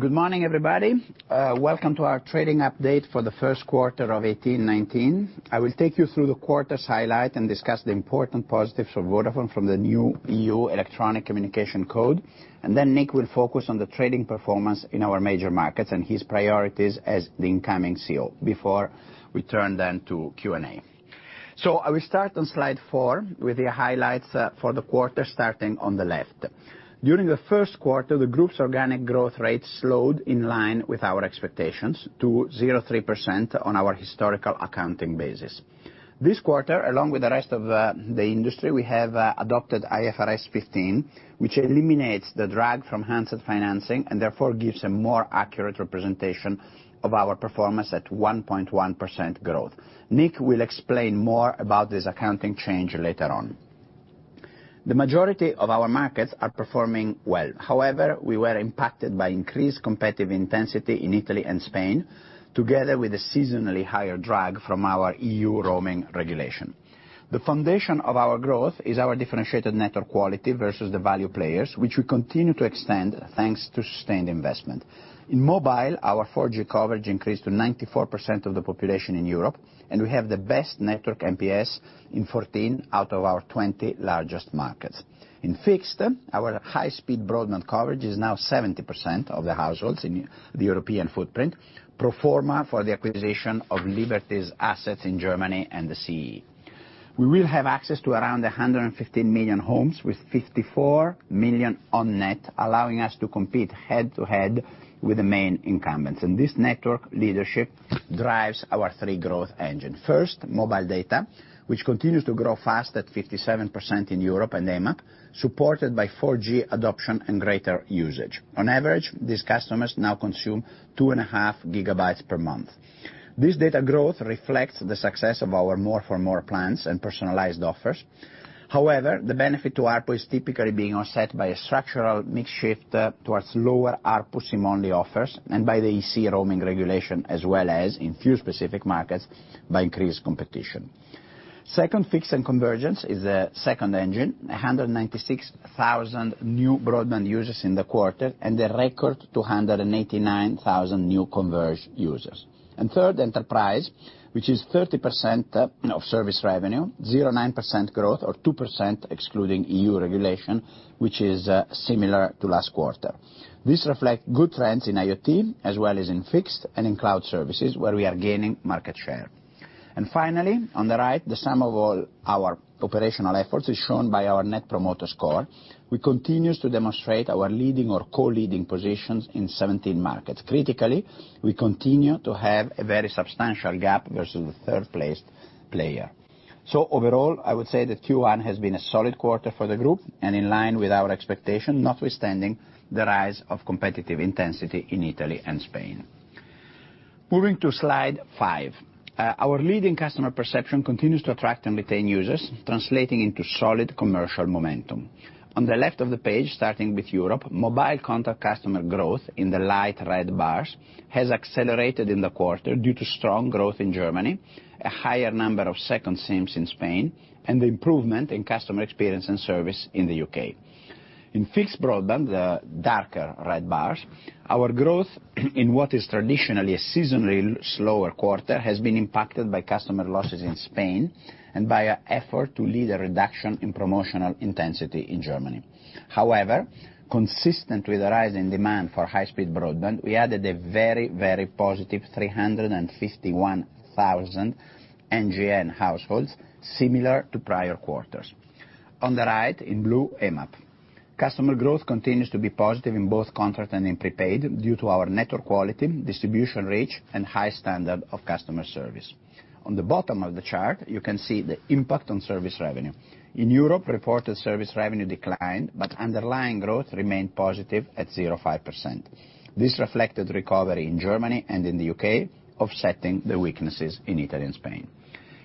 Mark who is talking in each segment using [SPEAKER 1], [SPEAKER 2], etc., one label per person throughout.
[SPEAKER 1] Good morning, everybody. Welcome to our trading update for the first quarter of 2018/19. I will take you through the quarter's highlights and discuss the important positives for Vodafone from the new European Electronic Communications Code. Nick will focus on the trading performance in our major markets and his priorities as the incoming CEO, before we turn to Q&A. I will start on slide four with the highlights for the quarter, starting on the left. During the first quarter, the group's organic growth rate slowed in line with our expectations to 0.3% on our historical accounting basis. This quarter, along with the rest of the industry, we have adopted IFRS 15, which eliminates the drag from handset financing, and therefore gives a more accurate representation of our performance at 1.1% growth. Nick will explain more about this accounting change later on. The majority of our markets are performing well. However, we were impacted by increased competitive intensity in Italy and Spain, together with a seasonally higher drag from our EU roaming regulation. The foundation of our growth is our differentiated network quality versus the value players, which we continue to extend thanks to sustained investment. In mobile, our 4G coverage increased to 94% of the population in Europe, and we have the best network NPS in 14 out of our 20 largest markets. In fixed, our high-speed broadband coverage is now 70% of the households in the European footprint, pro forma for the acquisition of Liberty's assets in Germany and the CEE. We will have access to around 115 million homes, with 54 million on net, allowing us to compete head-to-head with the main incumbents. This network leadership drives our three growth engines. First, mobile data, which continues to grow fast at 57% in Europe and AMAP, supported by 4G adoption and greater usage. On average, these customers now consume two and a half gigabytes per month. This data growth reflects the success of our More for More plans and personalized offers. However, the benefit to ARPU is typically being offset by a structural mix shift towards lower ARPU SIM-only offers, and by the EC roaming regulation as well as, in few specific markets, by increased competition. Second, fixed and convergence is the second engine. 196,000 new broadband users in the quarter, and a record 289,000 new converged users. Third, enterprise, which is 30% of service revenue, 0.9% growth or 2% excluding EU regulation, which is similar to last quarter. This reflects good trends in IoT as well as in fixed and in cloud services, where we are gaining market share. Finally, on the right, the sum of all our operational efforts is shown by our Net Promoter Score, which continues to demonstrate our leading or co-leading positions in 17 markets. Critically, we continue to have a very substantial gap versus the third-placed player. Overall, I would say that Q1 has been a solid quarter for the group and in line with our expectation, notwithstanding the rise of competitive intensity in Italy and Spain. Moving to slide five. Our leading customer perception continues to attract and retain users, translating into solid commercial momentum. On the left of the page, starting with Europe, mobile contract customer growth, in the light red bars, has accelerated in the quarter due to strong growth in Germany, a higher number of second SIMs in Spain, and the improvement in customer experience and service in the U.K. In fixed broadband, the darker red bars, our growth in what is traditionally a seasonally slower quarter, has been impacted by customer losses in Spain, and by an effort to lead a reduction in promotional intensity in Germany. Consistent with the rise in demand for high-speed broadband, we added a very, very positive 351,000 NGN households, similar to prior quarters. On the right, in blue, AMAP. Customer growth continues to be positive in both contract and in prepaid due to our network quality, distribution reach, and high standard of customer service. On the bottom of the chart, you can see the impact on service revenue. In Europe, reported service revenue declined, but underlying growth remained positive at 0.5%. This reflected recovery in Germany and in the U.K., offsetting the weaknesses in Italy and Spain.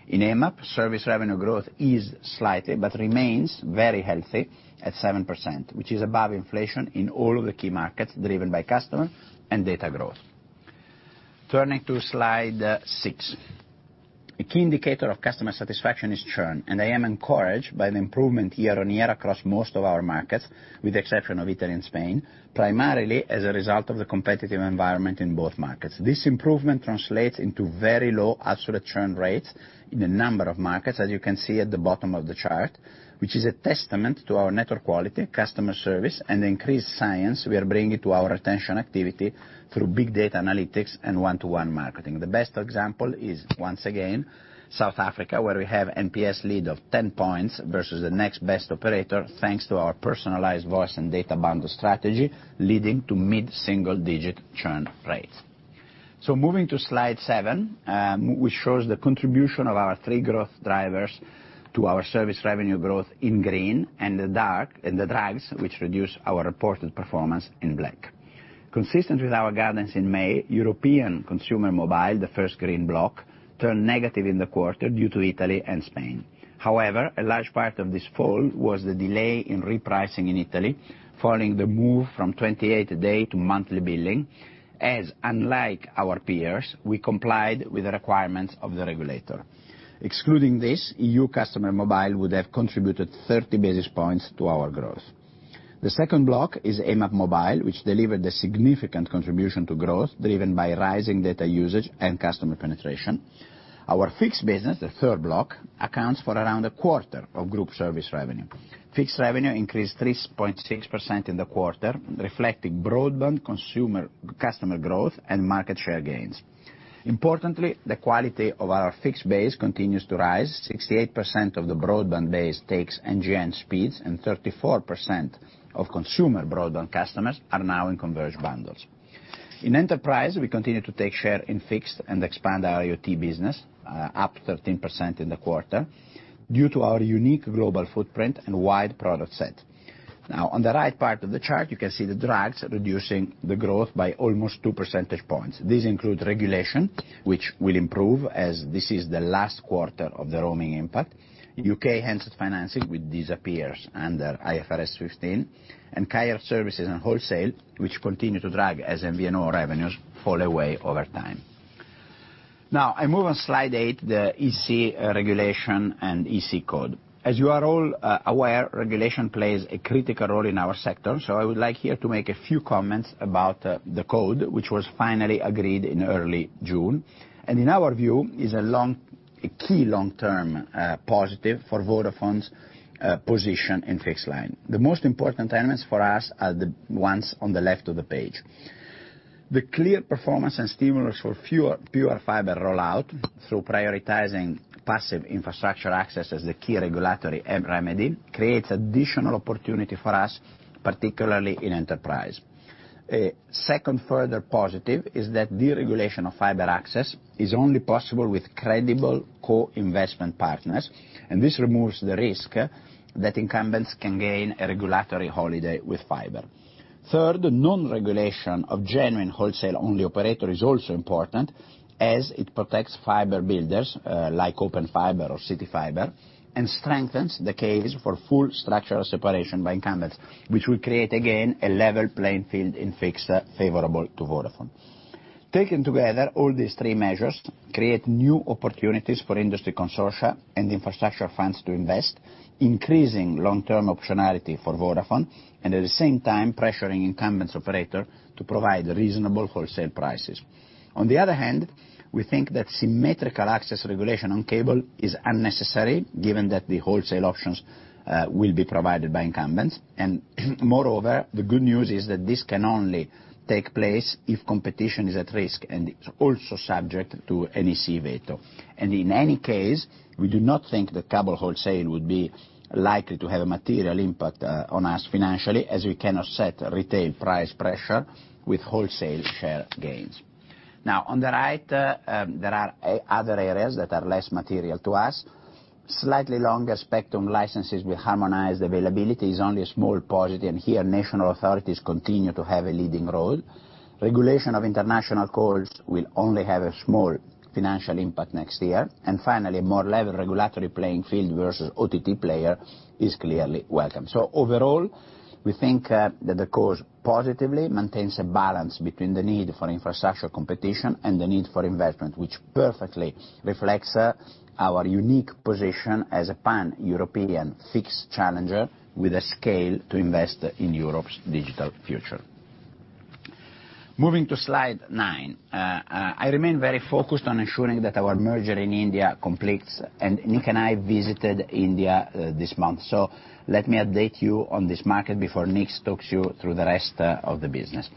[SPEAKER 1] In AMAP, service revenue growth eased slightly, but remains very healthy at 7%, which is above inflation in all of the key markets, driven by customer and data growth. Turning to slide six. A key indicator of customer satisfaction is churn, and I am encouraged by the improvement year-over-year across most of our markets, with the exception of Italy and Spain, primarily as a result of the competitive environment in both markets. This improvement translates into very low absolute churn rates in a number of markets, as you can see at the bottom of the chart, which is a testament to our network quality, customer service, and the increased science we are bringing to our retention activity through big data analytics and 1:1 marketing. The best example is, once again, South Africa, where we have NPS lead of 10 points versus the next best operator, thanks to our personalized voice and data bundle strategy, leading to mid-single digit churn rates. Moving to slide seven, which shows the contribution of our three growth drivers to our service revenue growth in green, and the drags which reduce our reported performance in black. Consistent with our guidance in May, European consumer mobile, the first green block, turned negative in the quarter due to Italy and Spain. A large part of this fall was the delay in repricing in Italy following the move from 28 a day to monthly billing, as unlike our peers, we complied with the requirements of the regulator. Excluding this, EU customer mobile would have contributed 30 basis points to our growth. The second block is AMAP Mobile, which delivered a significant contribution to growth driven by rising data usage and customer penetration. Our fixed business, the third block, accounts for around a quarter of group service revenue. Fixed revenue increased 3.6% in the quarter, reflecting broadband consumer customer growth and market share gains. Importantly, the quality of our fixed base continues to rise. 68% of the broadband base takes NGN speeds and 34% of consumer broadband customers are now in converged bundles. In enterprise, we continue to take share in fixed and expand our IoT business, up 13% in the quarter due to our unique global footprint and wide product set. On the right part of the chart, you can see the drags reducing the growth by almost two percentage points. These include regulation, which will improve as this is the last quarter of the roaming impact. U.K. enhanced financing will disappear under IFRS 15, and carrier services and wholesale, which continue to drag as MVNO revenues fall away over time. I move on slide eight, the EC regulation and EC code. As you are all aware, regulation plays a critical role in our sector, so I would like here to make a few comments about the code, which was finally agreed in early June, and in our view, is a key long-term positive for Vodafone's position in fixed line. The most important elements for us are the ones on the left of the page. The clear performance and stimulus for pure fiber rollout through prioritizing passive infrastructure access as the key regulatory remedy creates additional opportunity for us, particularly in enterprise. Second, further positive is that deregulation of fiber access is only possible with credible co-investment partners, and this removes the risk that incumbents can gain a regulatory holiday with fiber. Third, non-regulation of genuine wholesale-only operator is also important as it protects fiber builders, like Open Fiber or CityFibre, and strengthens the case for full structural separation by incumbents, which will create, again, a level playing field in fixed favorable to Vodafone. Taken together, all these three measures create new opportunities for industry consortia and infrastructure funds to invest, increasing long-term optionality for Vodafone, and at the same time pressuring incumbents operator to provide reasonable wholesale prices. We think that symmetrical access regulation on cable is unnecessary given that the wholesale options will be provided by incumbents. Moreover, the good news is that this can only take place if competition is at risk and it's also subject to NEC veto. In any case, we do not think that cable wholesale would be likely to have a material impact on us financially as we cannot set retail price pressure with wholesale share gains. On the right, there are other areas that are less material to us. Slightly longer spectrum licenses with harmonized availability is only a small positive, and here, national authorities continue to have a leading role. Regulation of international calls will only have a small financial impact next year. Finally, more level regulatory playing field versus OTT player is clearly welcome. Overall, we think that the course positively maintains a balance between the need for infrastructure competition and the need for investment, which perfectly reflects our unique position as a pan-European fixed challenger with a scale to invest in Europe's digital future. Moving to slide nine. I remain very focused on ensuring that our merger in India completes, and Nick and I visited India this month. Let me update you on this market before Nick talks you through the rest of the business.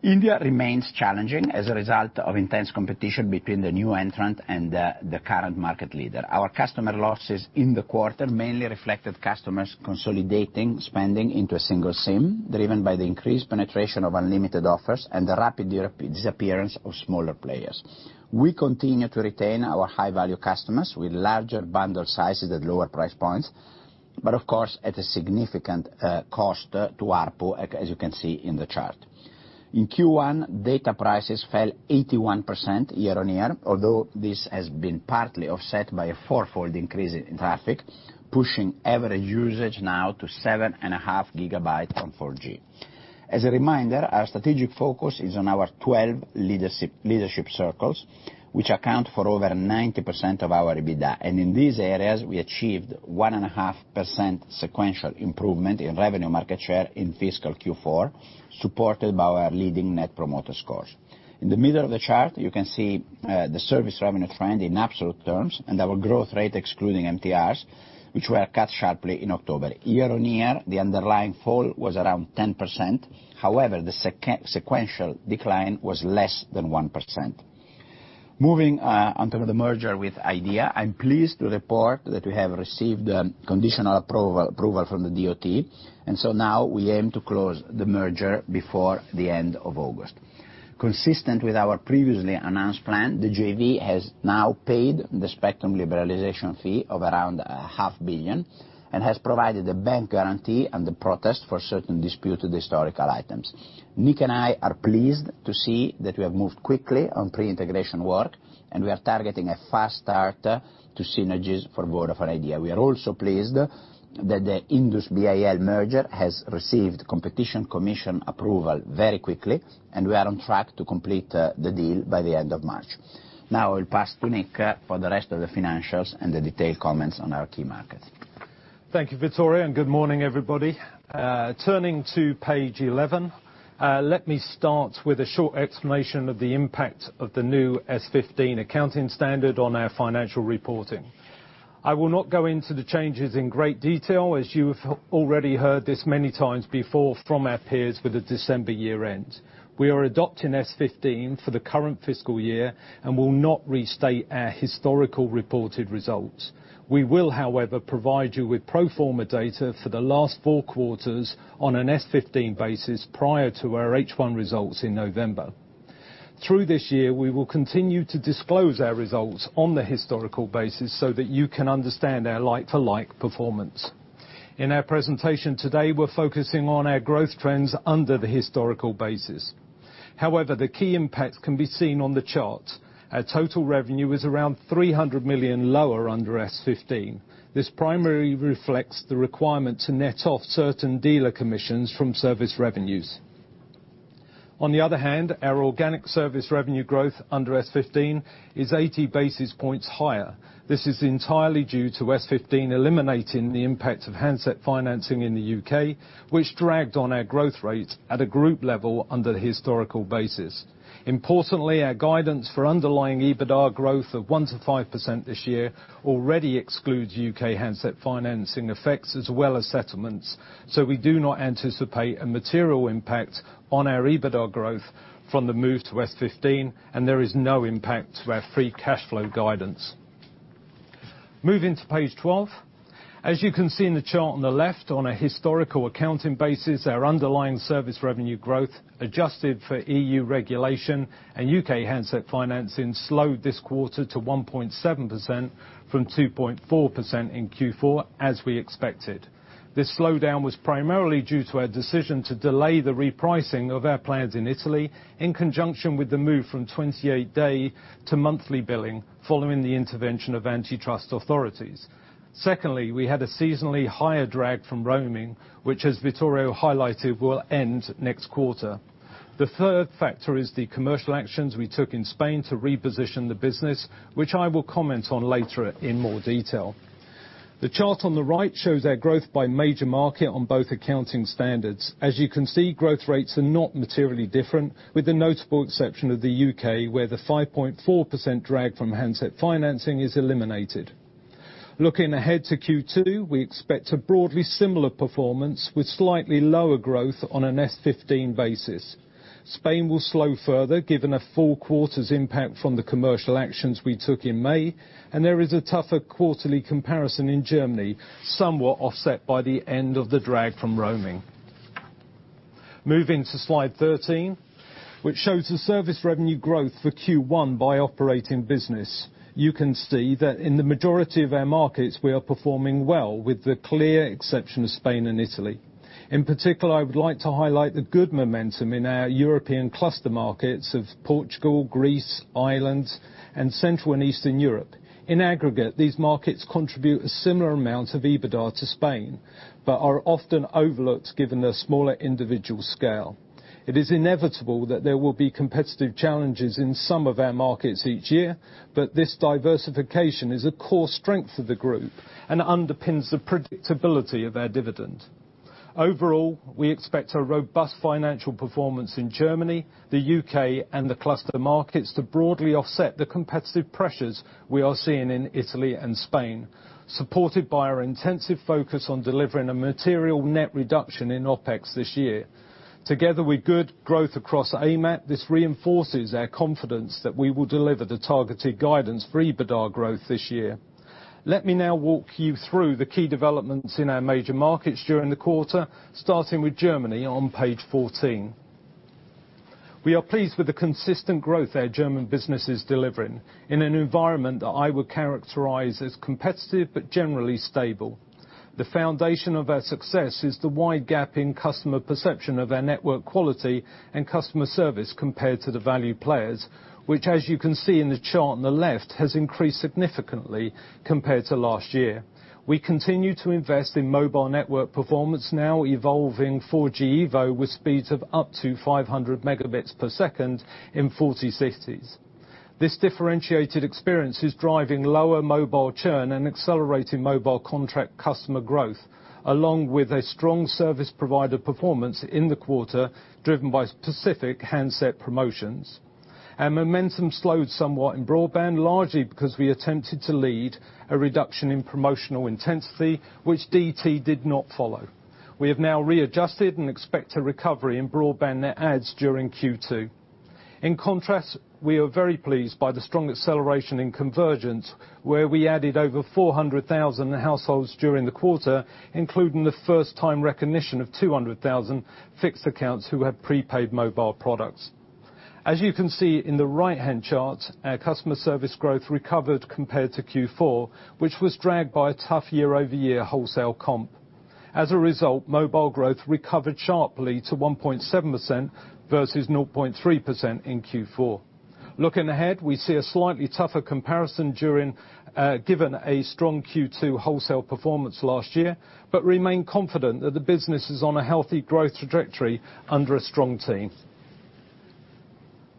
[SPEAKER 1] India remains challenging as a result of intense competition between the new entrant and the current market leader. Our customer losses in the quarter mainly reflected customers consolidating spending into a single SIM, driven by the increased penetration of unlimited offers and the rapid disappearance of smaller players. Of course, at a significant cost to ARPU, as you can see in the chart. In Q1, data prices fell 81% year-on-year, although this has been partly offset by a four-fold increase in traffic, pushing average usage now to 7.5 GB from 4G. As a reminder, our strategic focus is on our 12 leadership circles, which account for over 90% of our EBITDA. In these areas, we achieved 1.5% sequential improvement in revenue market share in fiscal Q4, supported by our leading Net Promoter Scores. In the middle of the chart, you can see the service revenue trend in absolute terms and our growth rate excluding MTRs, which were cut sharply in October. Year-on-year, the underlying fall was around 10%. The sequential decline was less than 1%. Moving on to the merger with Idea. I'm pleased to report that we have received conditional approval from the DOT. Now we aim to close the merger before the end of August. Consistent with our previously announced plan, the JV has now paid the spectrum liberalization fee of around a half billion EUR and has provided a bank guarantee and the protest for certain disputed historical items. Nick and I are pleased to see that we have moved quickly on pre-integration work. We are targeting a fast start to synergies for Vodafone Idea. We are also pleased that the Indus Towers merger has received Competition Commission approval very quickly, and we are on track to complete the deal by the end of March. I'll pass to Nick for the rest of the financials and the detailed comments on our key markets.
[SPEAKER 2] Thank you, Vittorio. Good morning, everybody. Turning to page 11, let me start with a short explanation of the impact of the new IFRS 15 accounting standard on our financial reporting. I will not go into the changes in great detail as you've already heard this many times before from our peers with a December year-end. We are adopting IFRS 15 for the current fiscal year and will not restate our historical reported results. We will, however, provide you with pro forma data for the last four quarters on an IFRS 15 basis prior to our H1 results in November. Through this year, we will continue to disclose our results on the historical basis so that you can understand our like-to-like performance. In our presentation today, we're focusing on our growth trends under the historical basis. The key impact can be seen on the chart. Our total revenue is around 300 million lower under IFRS 15. This primarily reflects the requirement to net off certain dealer commissions from service revenues. The other hand, our organic service revenue growth under IFRS 15 is 80 basis points higher. This is entirely due to IFRS 15 eliminating the impact of handset financing in the U.K., which dragged on our growth rate at a group level under the historical basis. Importantly, our guidance for underlying EBITDA growth of 1% to 5% this year already excludes U.K. handset financing effects as well as settlements. We do not anticipate a material impact on our EBITDA growth from the move to IFRS 15. There is no impact to our free cash flow guidance. Moving to page 12. As you can see in the chart on the left, on a historical accounting basis, our underlying service revenue growth, adjusted for EU regulation and U.K. handset financing slowed this quarter to 1.7% from 2.4% in Q4, as we expected. This slowdown was primarily due to our decision to delay the repricing of our plans in Italy, in conjunction with the move from 28-day to monthly billing following the intervention of antitrust authorities. Secondly, we had a seasonally higher drag from roaming, which, as Vittorio highlighted, will end next quarter. The third factor is the commercial actions we took in Spain to reposition the business, which I will comment on later in more detail. The chart on the right shows our growth by major market on both accounting standards. As you can see, growth rates are not materially different, with the notable exception of the U.K., where the 5.4% drag from handset financing is eliminated. Looking ahead to Q2, we expect a broadly similar performance with slightly lower growth on an S15 basis. Spain will slow further, given a full quarter's impact from the commercial actions we took in May, and there is a tougher quarterly comparison in Germany, somewhat offset by the end of the drag from roaming. Moving to slide 13, which shows the service revenue growth for Q1 by operating business. You can see that in the majority of our markets, we are performing well, with the clear exception of Spain and Italy. In particular, I would like to highlight the good momentum in our European cluster markets of Portugal, Greece, Ireland, and Central and Eastern Europe. In aggregate, these markets contribute a similar amount of EBITDA to Spain, but are often overlooked given their smaller individual scale. It is inevitable that there will be competitive challenges in some of our markets each year, but this diversification is a core strength of the group and underpins the predictability of our dividend. Overall, we expect a robust financial performance in Germany, the U.K., and the cluster markets to broadly offset the competitive pressures we are seeing in Italy and Spain, supported by our intensive focus on delivering a material net reduction in OpEx this year. Together with good growth across AMAP, this reinforces our confidence that we will deliver the targeted guidance for EBITDA growth this year. Let me now walk you through the key developments in our major markets during the quarter, starting with Germany on page 14. We are pleased with the consistent growth our German business is delivering in an environment that I would characterize as competitive but generally stable. The foundation of our success is the wide gap in customer perception of our network quality and customer service compared to the value players, which as you can see in the chart on the left, has increased significantly compared to last year. We continue to invest in mobile network performance, now evolving 4G EVO with speeds of up to 500 Mbps in 40 cities. This differentiated experience is driving lower mobile churn and accelerating mobile contract customer growth, along with a strong service provider performance in the quarter, driven by specific handset promotions. Our momentum slowed somewhat in broadband, largely because we attempted to lead a reduction in promotional intensity, which DT did not follow. We have now readjusted and expect a recovery in broadband net adds during Q2. In contrast, we are very pleased by the strong acceleration in convergence, where we added over 400,000 households during the quarter, including the first-time recognition of 200,000 fixed accounts who have prepaid mobile products. As you can see in the right-hand chart, our customer service growth recovered compared to Q4, which was dragged by a tough year-over-year wholesale comp. As a result, mobile growth recovered sharply to 1.7% versus 0.3% in Q4. Looking ahead, we see a slightly tougher comparison given a strong Q2 wholesale performance last year, but remain confident that the business is on a healthy growth trajectory under a strong team.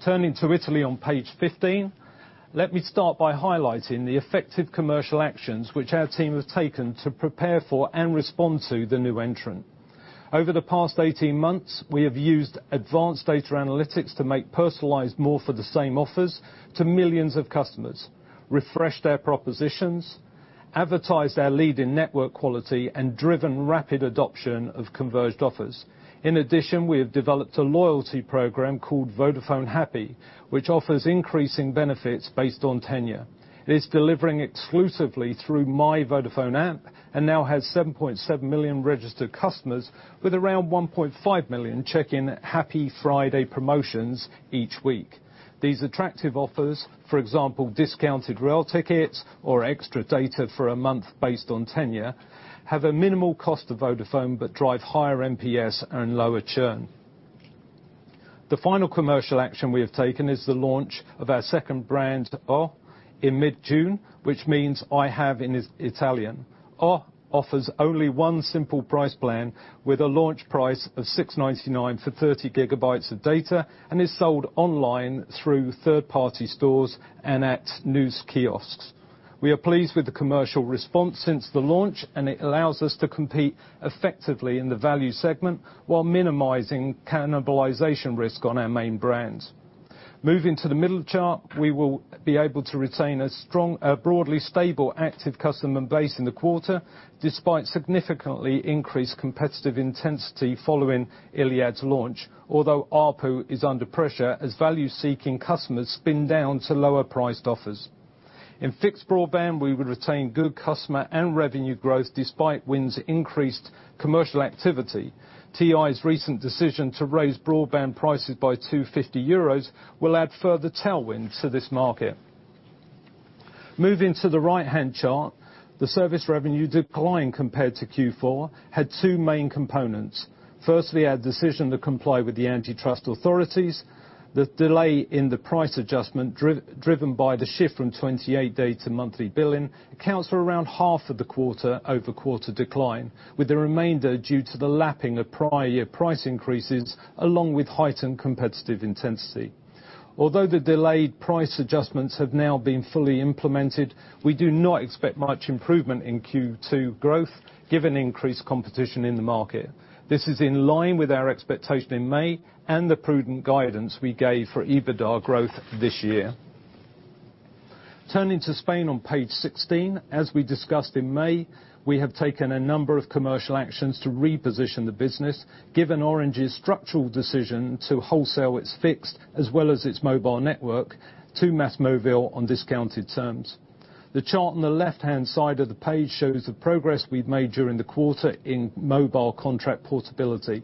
[SPEAKER 2] Turning to Italy on page 15. Let me start by highlighting the effective commercial actions which our team have taken to prepare for and respond to the new entrant. Over the past 18 months, we have used advanced data analytics to make personalized more for the same offers to millions of customers, refreshed their propositions, advertised our lead in network quality, and driven rapid adoption of converged offers. In addition, we have developed a loyalty program called Vodafone Happy, which offers increasing benefits based on tenure. It is delivering exclusively through My Vodafone app and now has 7.7 million registered customers with around 1.5 million checking Happy Friday promotions each week. These attractive offers, for example, discounted rail tickets or extra data for a month based on tenure, have a minimal cost to Vodafone but drive higher NPS and lower churn. The final commercial action we have taken is the launch of our second brand, ho., in mid-June, which means I have in Italian. ho. offers only one simple price plan with a launch price of 6.99 for 30 gigabytes of data and is sold online through third-party stores and at news kiosks. We are pleased with the commercial response since the launch, and it allows us to compete effectively in the value segment while minimizing cannibalization risk on our main brands. Moving to the middle chart, we will be able to retain a broadly stable active customer base in the quarter, despite significantly increased competitive intensity following Iliad's launch. Although ARPU is under pressure as value-seeking customers spin down to lower priced offers. In fixed broadband, we would retain good customer and revenue growth despite Wind's increased commercial activity. TI's recent decision to raise broadband prices by 250 euros will add further tailwind to this market. Moving to the right-hand chart, the service revenue decline compared to Q4 had two main components. Firstly, our decision to comply with the antitrust authorities. The delay in the price adjustment, driven by the shift from 28-day to monthly billing, accounts for around half of the quarter-over-quarter decline, with the remainder due to the lapping of prior year price increases along with heightened competitive intensity. Although the delayed price adjustments have now been fully implemented, we do not expect much improvement in Q2 growth given increased competition in the market. This is in line with our expectation in May and the prudent guidance we gave for EBITDA growth this year. Turning to Spain on page 16. As we discussed in May, we have taken a number of commercial actions to reposition the business, given Orange's structural decision to wholesale its fixed as well as its mobile network to MásMóvil on discounted terms. The chart on the left-hand side of the page shows the progress we've made during the quarter in mobile contract portability.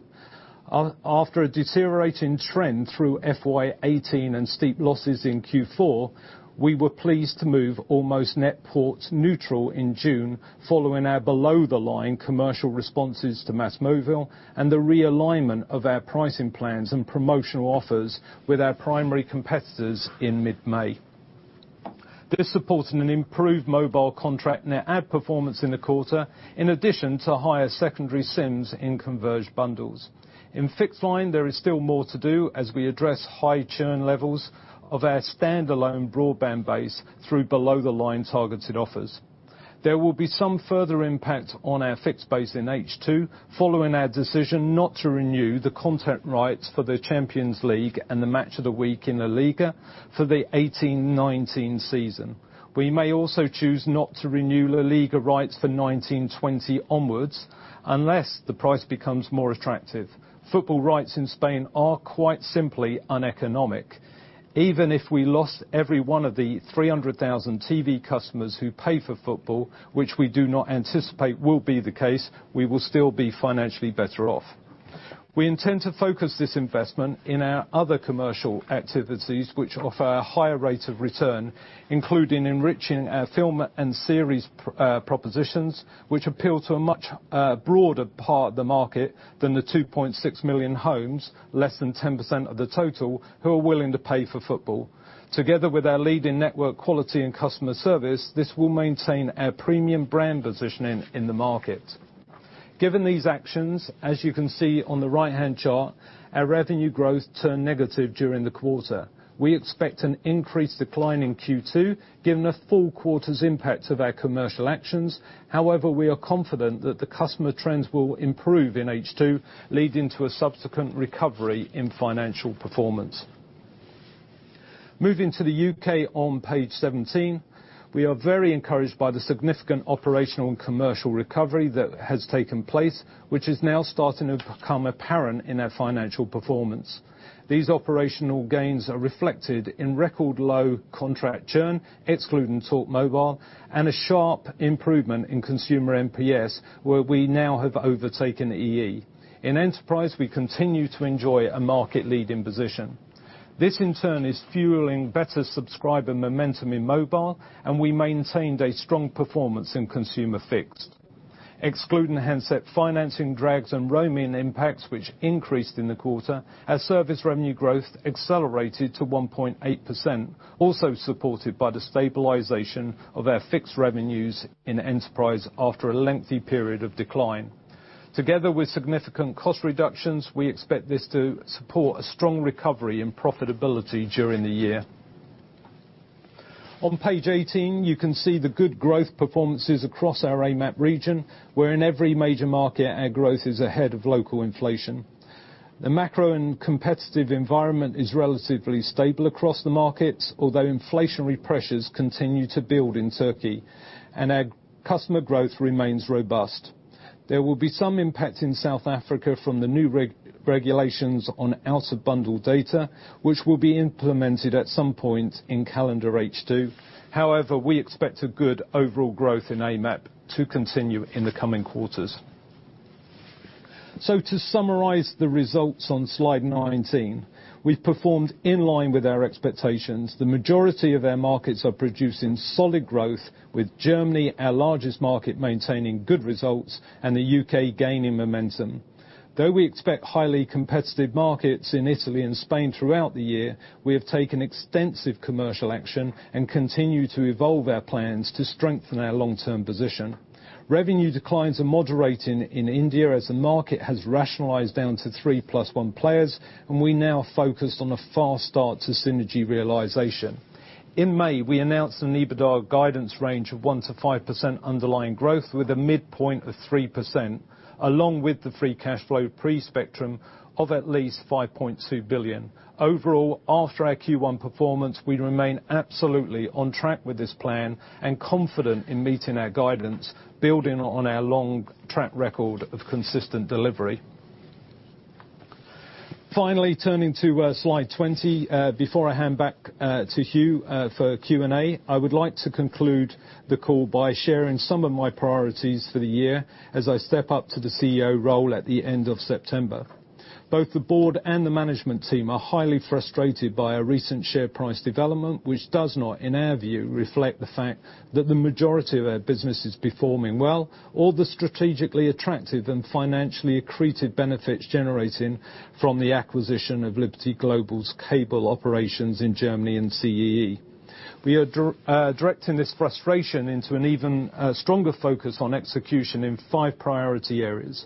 [SPEAKER 2] After a deteriorating trend through FY 2018 and steep losses in Q4, we were pleased to move almost net ports neutral in June, following our below the line commercial responses to MásMóvil and the realignment of our pricing plans and promotional offers with our primary competitors in mid-May. This supported an improved mobile contract net add performance in the quarter, in addition to higher secondary SIMs in converged bundles. In fixed line, there is still more to do as we address high churn levels of our standalone broadband base through below the line targeted offers. There will be some further impact on our fixed base in H2 following our decision not to renew the content rights for the Champions League and the Match of the Week in La Liga for the 2018-2019 season. We may also choose not to renew La Liga rights for 2019-2020 onwards, unless the price becomes more attractive. Football rights in Spain are quite simply uneconomic. Even if we lost every one of the 300,000 TV customers who pay for football, which we do not anticipate will be the case, we will still be financially better off. We intend to focus this investment in our other commercial activities which offer a higher rate of return, including enriching our film and series propositions, which appeal to a much broader part of the market than the 2.6 million homes, less than 10% of the total, who are willing to pay for football. Together with our lead in network quality and customer service, this will maintain our premium brand positioning in the market. Given these actions, as you can see on the right-hand chart, our revenue growth turned negative during the quarter. We expect an increased decline in Q2 given a full quarter's impact of our commercial actions. However, we are confident that the customer trends will improve in H2, leading to a subsequent recovery in financial performance. Moving to the U.K. on page 17. We are very encouraged by the significant operational and commercial recovery that has taken place, which is now starting to become apparent in our financial performance. These operational gains are reflected in record low contract churn, excluding Talkmobile, and a sharp improvement in consumer NPS, where we now have overtaken EE. In Enterprise, we continue to enjoy a market leading position. This in turn is fueling better subscriber momentum in mobile, and we maintained a strong performance in consumer fixed. Excluding handset financing drags and roaming impacts, which increased in the quarter, our service revenue growth accelerated to 1.8%, also supported by the stabilization of our fixed revenues in Enterprise after a lengthy period of decline. Together with significant cost reductions, we expect this to support a strong recovery in profitability during the year. On page 18, you can see the good growth performances across our AMAP region, where in every major market, our growth is ahead of local inflation. The macro and competitive environment is relatively stable across the markets, although inflationary pressures continue to build in Turkey and our customer growth remains robust. There will be some impact in South Africa from the new regulations on out of bundle data, which will be implemented at some point in calendar H2. However, we expect a good overall growth in AMAP to continue in the coming quarters. To summarize the results on slide 19, we have performed in line with our expectations. The majority of our markets are producing solid growth, with Germany, our largest market, maintaining good results and the U.K. gaining momentum. Though we expect highly competitive markets in Italy and Spain throughout the year, we have taken extensive commercial action and continue to evolve our plans to strengthen our long-term position. Revenue declines are moderating in India as the market has rationalized down to three plus one players, and we now focus on a fast start to synergy realization. In May, we announced an EBITDA guidance range of 1%-5% underlying growth with a midpoint of 3%, along with the free cash flow pre-spectrum of at least 5.2 billion. Overall, after our Q1 performance, we remain absolutely on track with this plan and confident in meeting our guidance, building on our long track record of consistent delivery. Turning to slide 20. Before I hand back to Hugh for Q&A, I would like to conclude the call by sharing some of my priorities for the year as I step up to the CEO role at the end of September. Both the board and the management team are highly frustrated by a recent share price development, which does not, in our view, reflect the fact that the majority of our business is performing well or the strategically attractive and financially accretive benefits generating from the acquisition of Liberty Global's cable operations in Germany and CEE. We are directing this frustration into an even stronger focus on execution in five priority areas.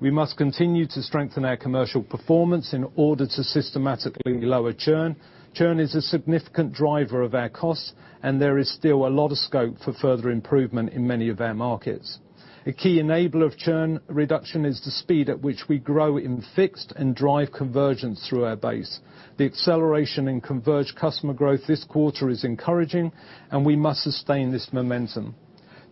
[SPEAKER 2] We must continue to strengthen our commercial performance in order to systematically lower churn. Churn is a significant driver of our costs, and there is still a lot of scope for further improvement in many of our markets. A key enabler of churn reduction is the speed at which we grow in fixed and drive convergence through our base. The acceleration in converged customer growth this quarter is encouraging, and we must sustain this momentum.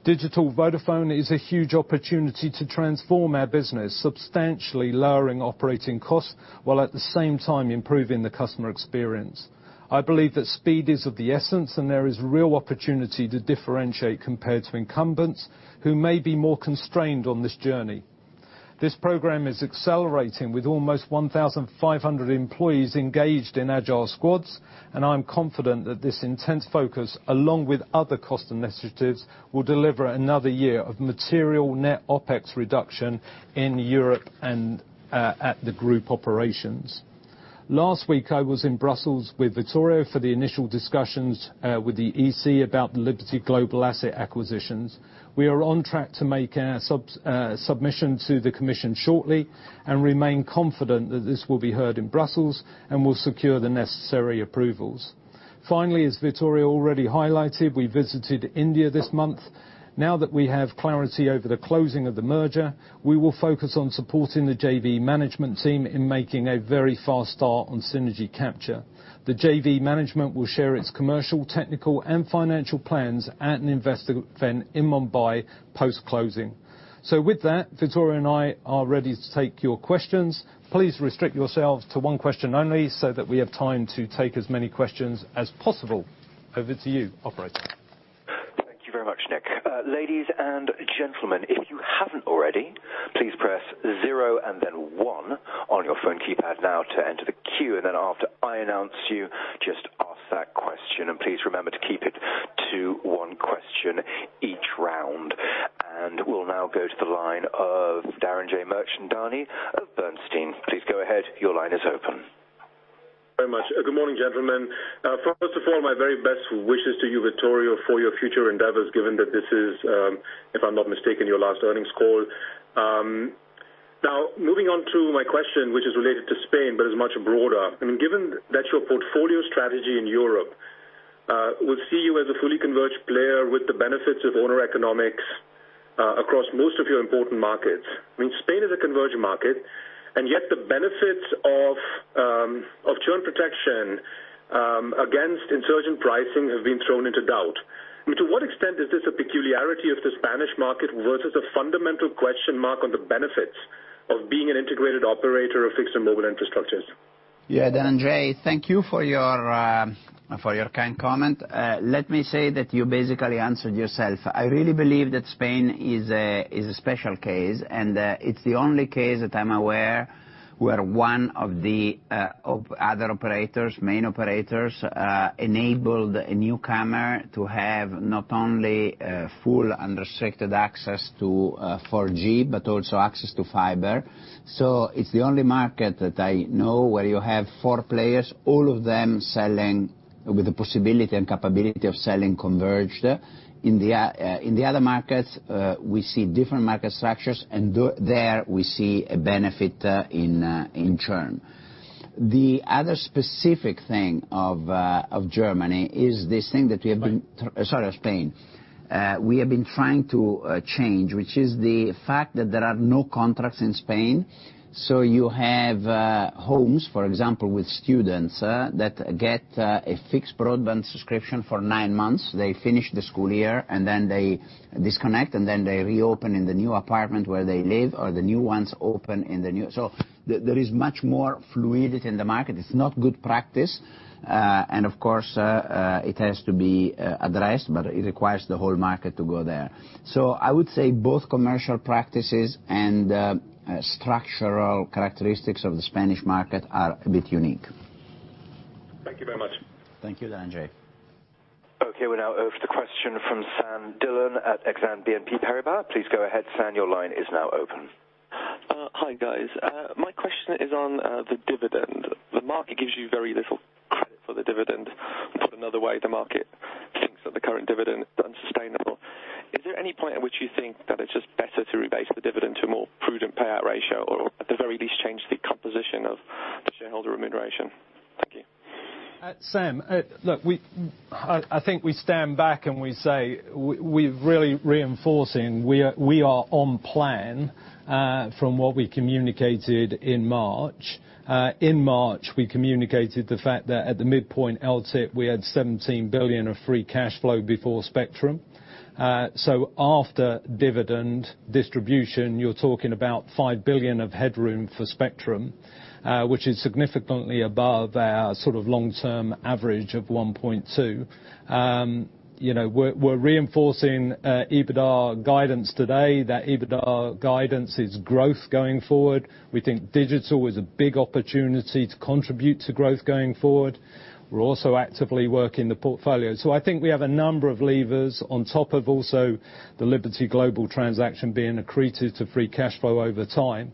[SPEAKER 2] Digital Vodafone is a huge opportunity to transform our business, substantially lowering operating costs while at the same time improving the customer experience. I believe that speed is of the essence and there is real opportunity to differentiate compared to incumbents who may be more constrained on this journey. This program is accelerating with almost 1,500 employees engaged in agile squads, and I am confident that this intense focus, along with other cost initiatives, will deliver another year of material net OpEx reduction in Europe and at the group operations. Last week I was in Brussels with Vittorio for the initial discussions with the EC about the Liberty Global asset acquisitions. We are on track to make our submission to the commission shortly, and remain confident that this will be heard in Brussels and will secure the necessary approvals. As Vittorio already highlighted, we visited India this month. Now that we have clarity over the closing of the merger, we will focus on supporting the JV management team in making a very fast start on synergy capture. The JV management will share its commercial, technical and financial plans at an investor event in Mumbai post-closing. With that, Vittorio and I are ready to take your questions. Please restrict yourselves to one question only so that we have time to take as many questions as possible. Over to you, operator.
[SPEAKER 3] Thank you very much, Nick. Ladies and gentlemen, if you haven't already, please press zero and then one on your phone keypad now to enter the queue. After I announce you, just ask that question and please remember to keep it to one question each round. We'll now go to the line of Dhananjay Mirchandani of Bernstein. Please go ahead. Your line is open.
[SPEAKER 4] Very much. Good morning, gentlemen. First of all, my very best wishes to you, Vittorio, for your future endeavors, given that this is, if I'm not mistaken, your last earnings call. Moving on to my question, which is related to Spain but is much broader. Given that your portfolio strategy in Europe will see you as a fully converged player with the benefits of owner economics across most of your important markets, Spain is a converged market, yet the benefits of churn protection against insurgent pricing have been thrown into doubt. To what extent is this a peculiarity of the Spanish market versus a fundamental question mark on the benefits of being an integrated operator of fixed and mobile infrastructures?
[SPEAKER 1] Dhananjay, thank you for your kind comment. Let me say that you basically answered yourself. I really believe that Spain is a special case, and it's the only case that I'm aware where one of the other operators, main operators, enabled a newcomer to have not only full unrestricted access to 4G, but also access to fiber. It's the only market that I know where you have four players, all of them selling With the possibility and capability of selling converged. In the other markets, we see different market structures, and there we see a benefit in churn. The other specific thing of Germany is this thing that we have been-
[SPEAKER 2] Spain. Sorry, Spain. We have been trying to change, which is the fact that there are no contracts in Spain. You have homes, for example, with students that get a fixed broadband subscription for nine months. They finish the school year, and then they disconnect, and then they reopen in the new apartment where they live. There is much more fluidity in the market. It is not good practice. Of course, it has to be addressed, but it requires the whole market to go there. I would say both commercial practices and structural characteristics of the Spanish market are a bit unique. Thank you very much.
[SPEAKER 1] Thank you, Dhananjay.
[SPEAKER 3] Okay, we're now over to question from Sam McHugh at Exane BNP Paribas. Please go ahead, Sam, your line is now open.
[SPEAKER 5] Hi, guys. My question is on the dividend. The market gives you very little credit for the dividend. Put another way, the market thinks that the current dividend is unsustainable. Is there any point at which you think that it's just better to rebase the dividend to a more prudent payout ratio, or at the very least, change the composition of the shareholder remuneration? Thank you.
[SPEAKER 2] Sam, look, I think we stand back and we say, we're really reinforcing, we are on plan from what we communicated in March. In March, we communicated the fact that at the midpoint LTIP, we had 17 billion of free cash flow before spectrum. After dividend distribution, you're talking about 5 billion of headroom for spectrum, which is significantly above our long-term average of 1.2 billion. We're reinforcing EBITDA guidance today. That EBITDA guidance is growth going forward. We think digital is a big opportunity to contribute to growth going forward. We're also actively working the portfolio. I think we have a number of levers on top of also the Liberty Global transaction being accretive to free cash flow over time.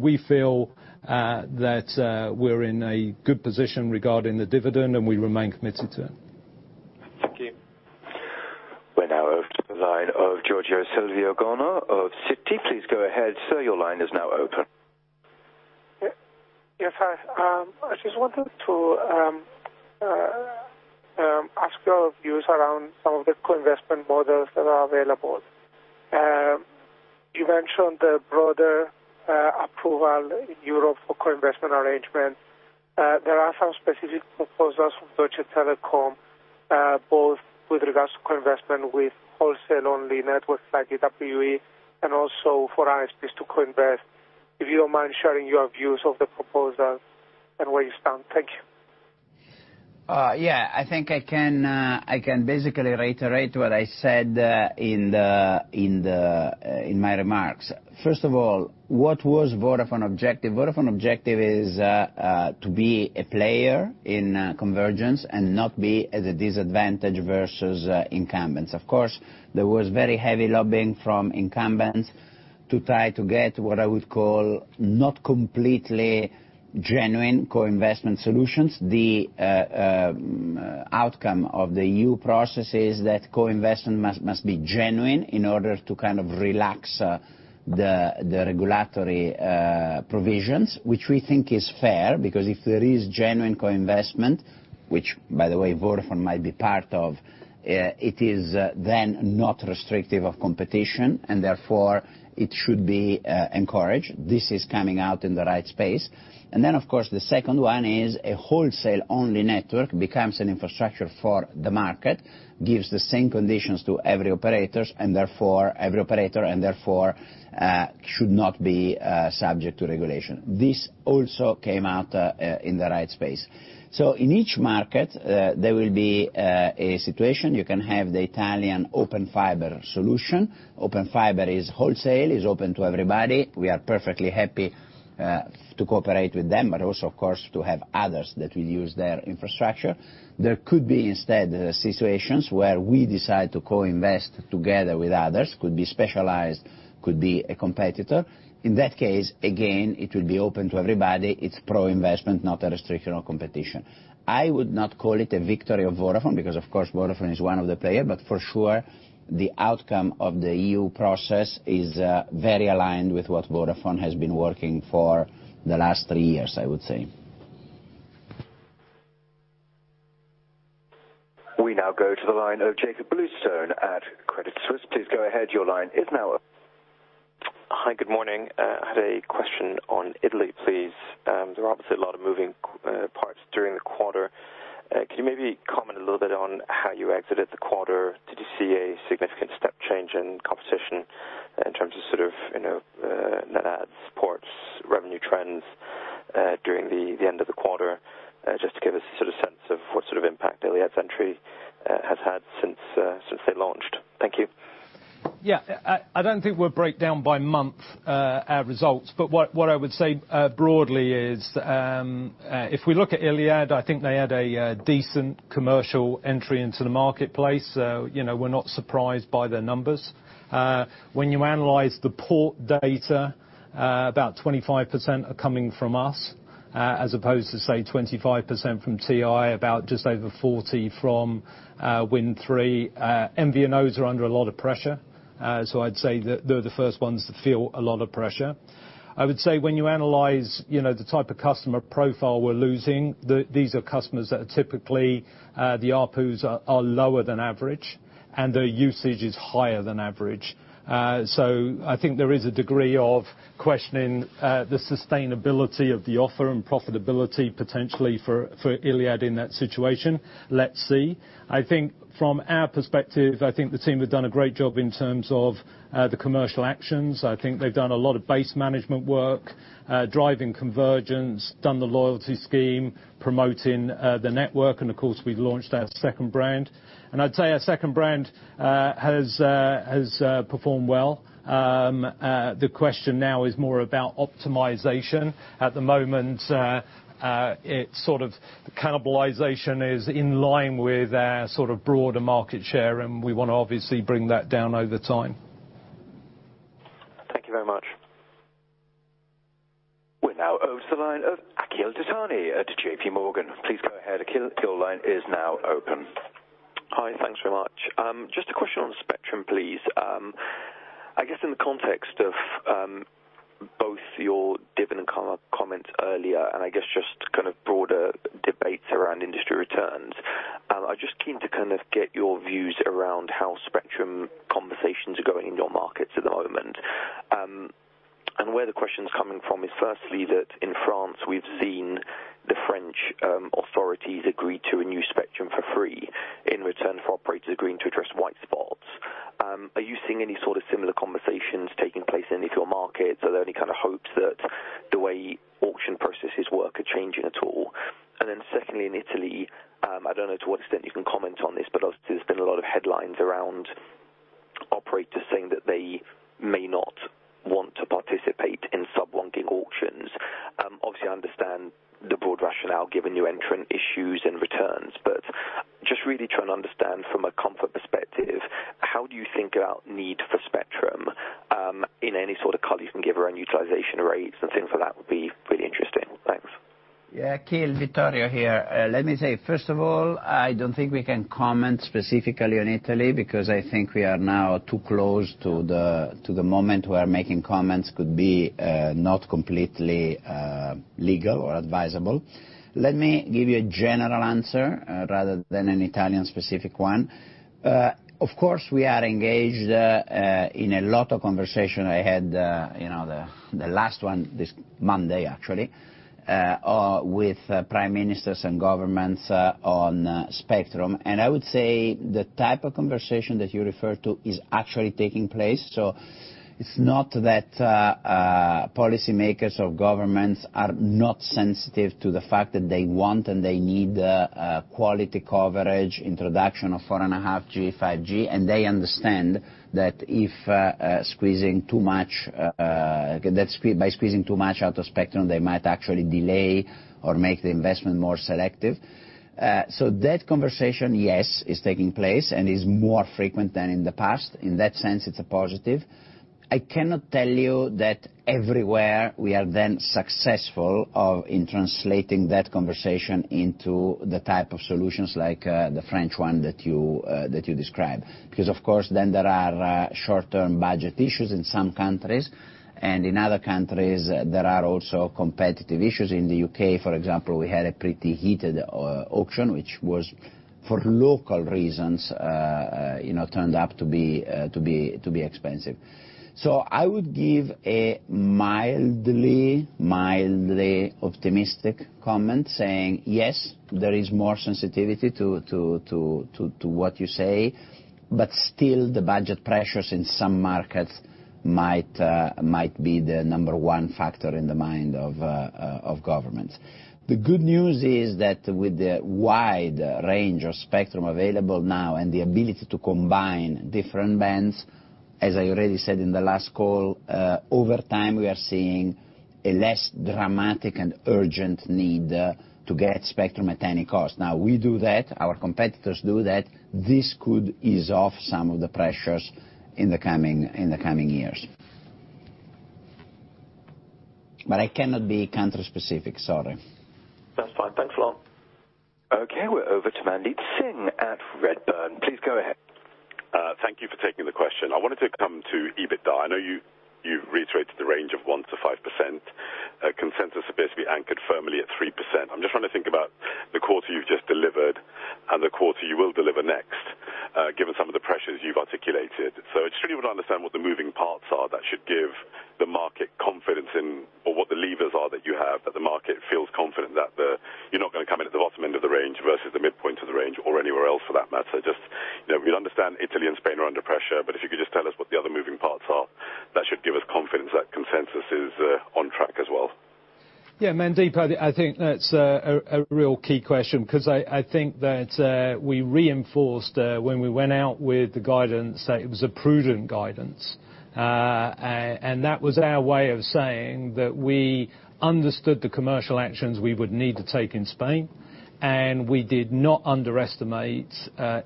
[SPEAKER 2] We feel that we're in a good position regarding the dividend, and we remain committed to it.
[SPEAKER 5] Thank you.
[SPEAKER 3] We're now over to the line of Georgios Ierodiaconou of Citi. Please go ahead, sir, your line is now open.
[SPEAKER 6] Yes, hi. I just wanted to ask your views around some of the co-investment models that are available. You mentioned the broader approval in the European Union for co-investment arrangement. There are some specific proposals from Deutsche Telekom, both with regards to co-investment with wholesale-only networks like DWE and also for ISPs to co-invest. If you don't mind sharing your views of the proposal and where you stand. Thank you.
[SPEAKER 1] Yeah. I think I can basically reiterate what I said in my remarks. First of all, what was Vodafone objective? Vodafone objective is to be a player in convergence and not be at a disadvantage versus incumbents. Of course, there was very heavy lobbying from incumbents to try to get what I would call not completely genuine co-investment solutions. The outcome of the EU process is that co-investment must be genuine in order to kind of relax the regulatory provisions, which we think is fair, because if there is genuine co-investment, which by the way, Vodafone might be part of, it is then not restrictive of competition, and therefore it should be encouraged. This is coming out in the right space. The second one is a wholesale-only network becomes an infrastructure for the market, gives the same conditions to every operators, and therefore every operator should not be subject to regulation. This also came out in the right space. In each market, there will be a situation. You can have the Italian Open Fiber solution. Open Fiber is wholesale, is open to everybody. We are perfectly happy to cooperate with them, but also, of course, to have others that will use their infrastructure. There could be, instead, situations where we decide to co-invest together with others, could be specialized, could be a competitor. In that case, again, it will be open to everybody. It's pro-investment, not a restriction of competition. I would not call it a victory of Vodafone because, of course, Vodafone is one of the players, but for sure, the outcome of the EU process is very aligned with what Vodafone has been working for the last three years, I would say.
[SPEAKER 3] We now go to the line of Jakob Bluestone at Credit Suisse. Please go ahead. Your line is now open.
[SPEAKER 7] Hi. Good morning. I had a question on Italy, please. There are obviously a lot of moving parts during the quarter. Can you maybe comment a little bit on how you exited the quarter? Did you see a significant step change in competition in terms of net adds, ports, revenue trends during the end of the quarter? Just to give us a sense of what sort of impact Iliad's entry has had since they launched. Thank you.
[SPEAKER 2] Yeah. I don't think we'll break down by month our results, but what I would say broadly is, if we look at Iliad, I think they had a decent commercial entry into the marketplace. We're not surprised by their numbers. When you analyze the port data, about 25% are coming from us. As opposed to, say, 25% from TI, about just over 40 from Wind Tre. MVNOs are under a lot of pressure, so I'd say that they're the first ones to feel a lot of pressure. I would say when you analyze the type of customer profile we're losing, these are customers that are typically, the ARPUs are lower than average, and their usage is higher than average. I think there is a degree of questioning the sustainability of the offer and profitability potentially for Iliad in that situation. Let's see. I think from our perspective, I think the team have done a great job in terms of the commercial actions. I think they've done a lot of base management work, driving convergence, done the loyalty scheme, promoting the network, and of course, we've launched our second brand. I'd say our second brand has performed well. The question now is more about optimization. At the moment, the cannibalization is in line with our broader market share, and we want to obviously bring that down over time.
[SPEAKER 7] Thank you very much.
[SPEAKER 3] We're now over to the line of Akhil Dattani at JPMorgan. Please go ahead. Akhil, your line is now open.
[SPEAKER 8] Hi, thanks very much. Just a question on spectrum, please. I guess in the context of both your dividend comments earlier and I guess just broader debates around industry returns, I'm just keen to get your views around how spectrum conversations are going in your markets at the moment. Where the question's coming from is firstly that in France we've seen the French authorities agree to a new spectrum for free in return for operators agreeing to address white spots. Are you seeing any sort of similar conversations taking place in any of your markets? Are there any hopes that the way auction processes work are changing at all? Then secondly, in Italy, I don't know to what extent you can comment on this, but obviously there's been a lot of headlines around operators saying that they may not want to participate in sub-1 GHz auctions. Obviously, I understand the broad rationale given new entrant issues and returns, just really trying to understand from a comfort perspective, how do you think about need for spectrum in any sort of color you can give around utilization rates and things like that would be really interesting. Thanks.
[SPEAKER 1] Yeah, Akhil, Vittorio here. Let me say, first of all, I don't think we can comment specifically on Italy because I think we are now too close to the moment where making comments could be not completely legal or advisable. Let me give you a general answer rather than an Italian specific one. Of course, we are engaged in a lot of conversation. I had the last one this Monday actually, with prime ministers and governments on spectrum. I would say the type of conversation that you refer to is actually taking place. It's not that policymakers or governments are not sensitive to the fact that they want and they need quality coverage, introduction of 4.5G, and they understand that by squeezing too much out of spectrum, they might actually delay or make the investment more selective. That conversation, yes, is taking place and is more frequent than in the past. In that sense, it's a positive. I cannot tell you that everywhere we are then successful in translating that conversation into the type of solutions like the French one that you described, because of course then there are short-term budget issues in some countries and in other countries there are also competitive issues. In the U.K. for example, we had a pretty heated auction which was for local reasons turned out to be expensive. I would give a mildly optimistic comment saying, yes, there is more sensitivity to what you say, but still the budget pressures in some markets might be the number 1 factor in the mind of governments. The good news is that with the wide range of spectrum available now and the ability to combine different bands, as I already said in the last call, over time we are seeing a less dramatic and urgent need to get spectrum at any cost. Now we do that, our competitors do that. This could ease off some of the pressures in the coming years. I cannot be country specific, sorry.
[SPEAKER 8] That's fine, thanks a lot.
[SPEAKER 3] Okay, we're over to Mandeep Singh at Redburn. Please go ahead.
[SPEAKER 9] Thank you for taking the question. I wanted to come to EBITDA. I know you've reiterated the range of 1%-5%. Consensus appears to be anchored firmly at 3%. I'm just trying to think about the quarter you've just delivered and the quarter you will deliver next, given some of the pressures you've articulated. I just really want to understand what the moving parts are that should give the market confidence in or what the levers are that you have that the market feels confident that you're not going to come in at the bottom end of the range versus the midpoint of the range or anywhere else for that matter. Just we understand Italy and Spain are under pressure, but if you could just tell us what the other moving parts are that should give us
[SPEAKER 2] Yeah, Mandeep, I think that's a real key question, because I think that we reinforced when we went out with the guidance that it was a prudent guidance. That was our way of saying that we understood the commercial actions we would need to take in Spain, and we did not underestimate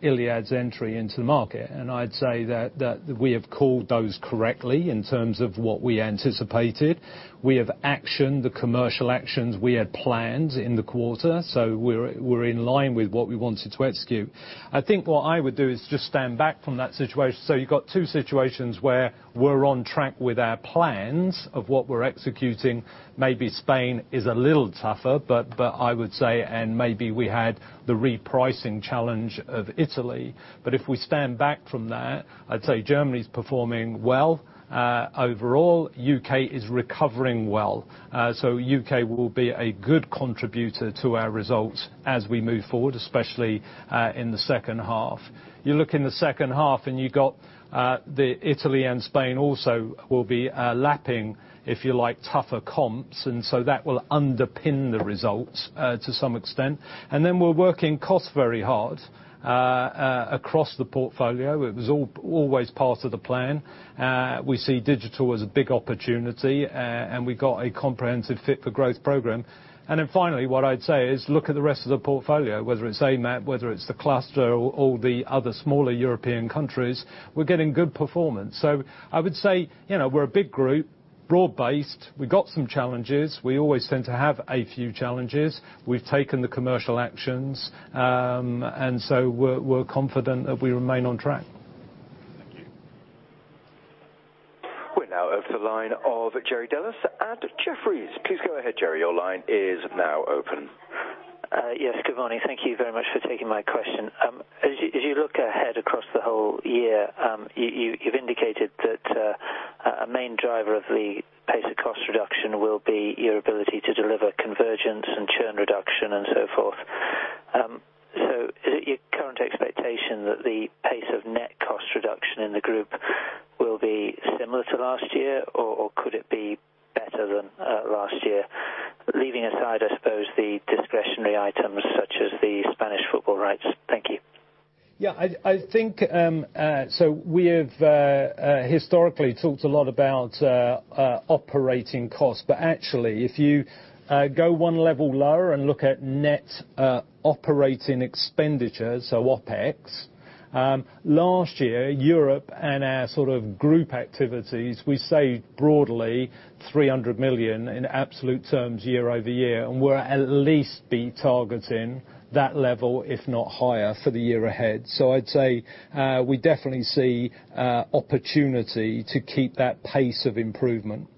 [SPEAKER 2] Iliad's entry into the market. I'd say that we have called those correctly in terms of what we anticipated. We have actioned the commercial actions we had planned in the quarter, so we're in line with what we wanted to execute. I think what I would do is just stand back from that situation. You've got two situations where we're on track with our plans of what we're executing. Maybe Spain is a little tougher, but I would say, and maybe we had the repricing challenge of Italy. If we stand back from that, I'd say Germany's performing well. Overall, U.K. is recovering well. U.K. will be a good contributor to our results as we move forward, especially in the second half. You look in the second half, you got Italy and Spain also will be lapping, if you like, tougher comps, that will underpin the results to some extent. We're working costs very hard across the portfolio. It was always part of the plan. We see Digital Vodafone as a big opportunity, we got a comprehensive Fit for Growth program. Finally, what I'd say is look at the rest of the portfolio, whether it's AMAP, whether it's the cluster, or all the other smaller European countries. We're getting good performance. I would say, we're a big group, broad-based. We got some challenges. We always tend to have a few challenges. We've taken the commercial actions, we're confident that we remain on track.
[SPEAKER 9] Thank you.
[SPEAKER 3] We're now over to the line of Jerry Dellis at Jefferies. Please go ahead, Jerry. Your line is now open.
[SPEAKER 10] Yes, good morning. Thank you very much for taking my question. As you look ahead across the whole year, you've indicated that a main driver of the pace of cost reduction will be your ability to deliver convergence and churn reduction and so forth. Is it your current expectation that the pace of net cost reduction in the group will be similar to last year, or could it be better than last year? Leaving aside, I suppose, the discretionary items such as the Spanish football rights. Thank you.
[SPEAKER 2] We have historically talked a lot about operating costs. Actually, if you go one level lower and look at net operating expenditures, OpEx, last year, Europe and our group activities, we saved broadly 300 million in absolute terms year-over-year, and we'll at least be targeting that level, if not higher, for the year ahead. I'd say we definitely see opportunity to keep that pace of improvement.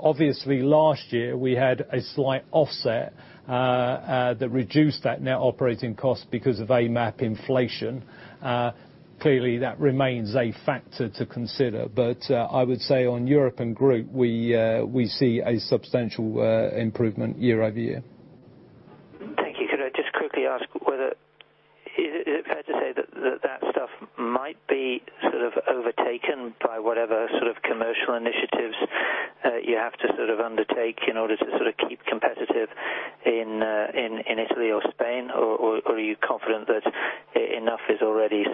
[SPEAKER 2] Obviously, last year, we had a slight offset that reduced that net operating cost because of AMAP inflation. Clearly, that remains a factor to consider. I would say on Europe and group, we see a substantial improvement year-over-year.
[SPEAKER 10] Thank you. Could I just quickly ask whether, is it fair to say that that stuff might be sort of overtaken by whatever sort of commercial initiatives you have to undertake in order to keep competitive in Italy or Spain, or are you confident that enough is already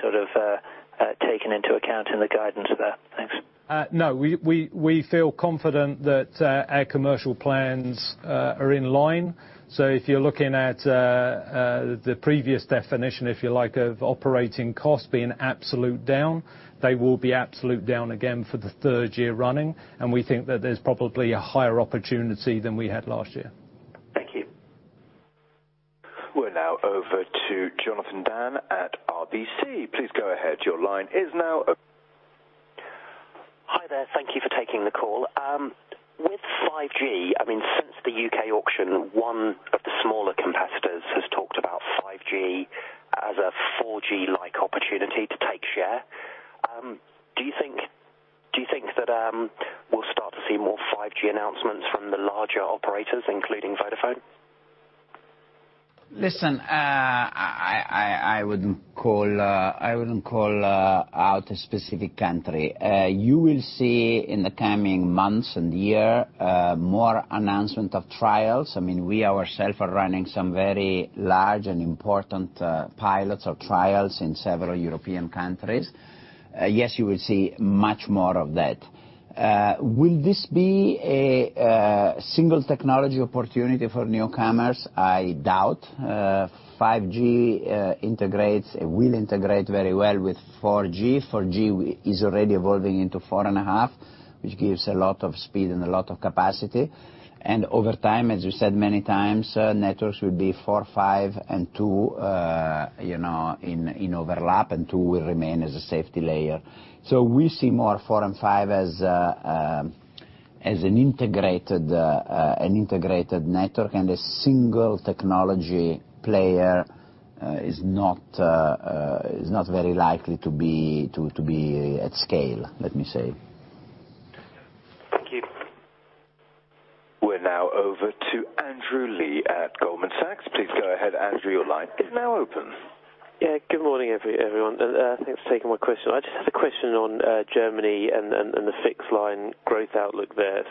[SPEAKER 10] taken into account in the guidance there? Thanks.
[SPEAKER 2] No. We feel confident that our commercial plans are in line. If you're looking at the previous definition, if you like, of operating costs being absolute down, they will be absolute down again for the third year running, and we think that there's probably a higher opportunity than we had last year.
[SPEAKER 10] Thank you.
[SPEAKER 3] We're now over to Jonathan Dann at RBC. Please go ahead. Your line is now open.
[SPEAKER 11] Hi there. Thank you for taking the call. With 5G, since the U.K. auction, one of the smaller competitors has talked about 5G as a 4G-like opportunity to take share. Do you think that we'll start to see more 5G announcements from the larger operators, including Vodafone?
[SPEAKER 1] Listen, I wouldn't call out a specific country. You will see in the coming months and year, more announcement of trials. We ourself are running some very large and important pilots or trials in several European countries. Yes, you will see much more of that. Will this be a single technology opportunity for newcomers? I doubt. 5G will integrate very well with 4G. 4G is already evolving into four and a half, which gives a lot of speed and a lot of capacity. Over time, as you said many times, networks will be four, five, and two in overlap, and two will remain as a safety layer. We see more four and five as an integrated network and a single technology player is not very likely to be at scale, let me say.
[SPEAKER 11] Thank you.
[SPEAKER 3] We're now over to Andrew Lee at Goldman Sachs. Please go ahead, Andrew. Your line is now open.
[SPEAKER 12] Good morning, everyone. Thanks for taking my question. I just had a question on Germany and the fixed line growth outlook there.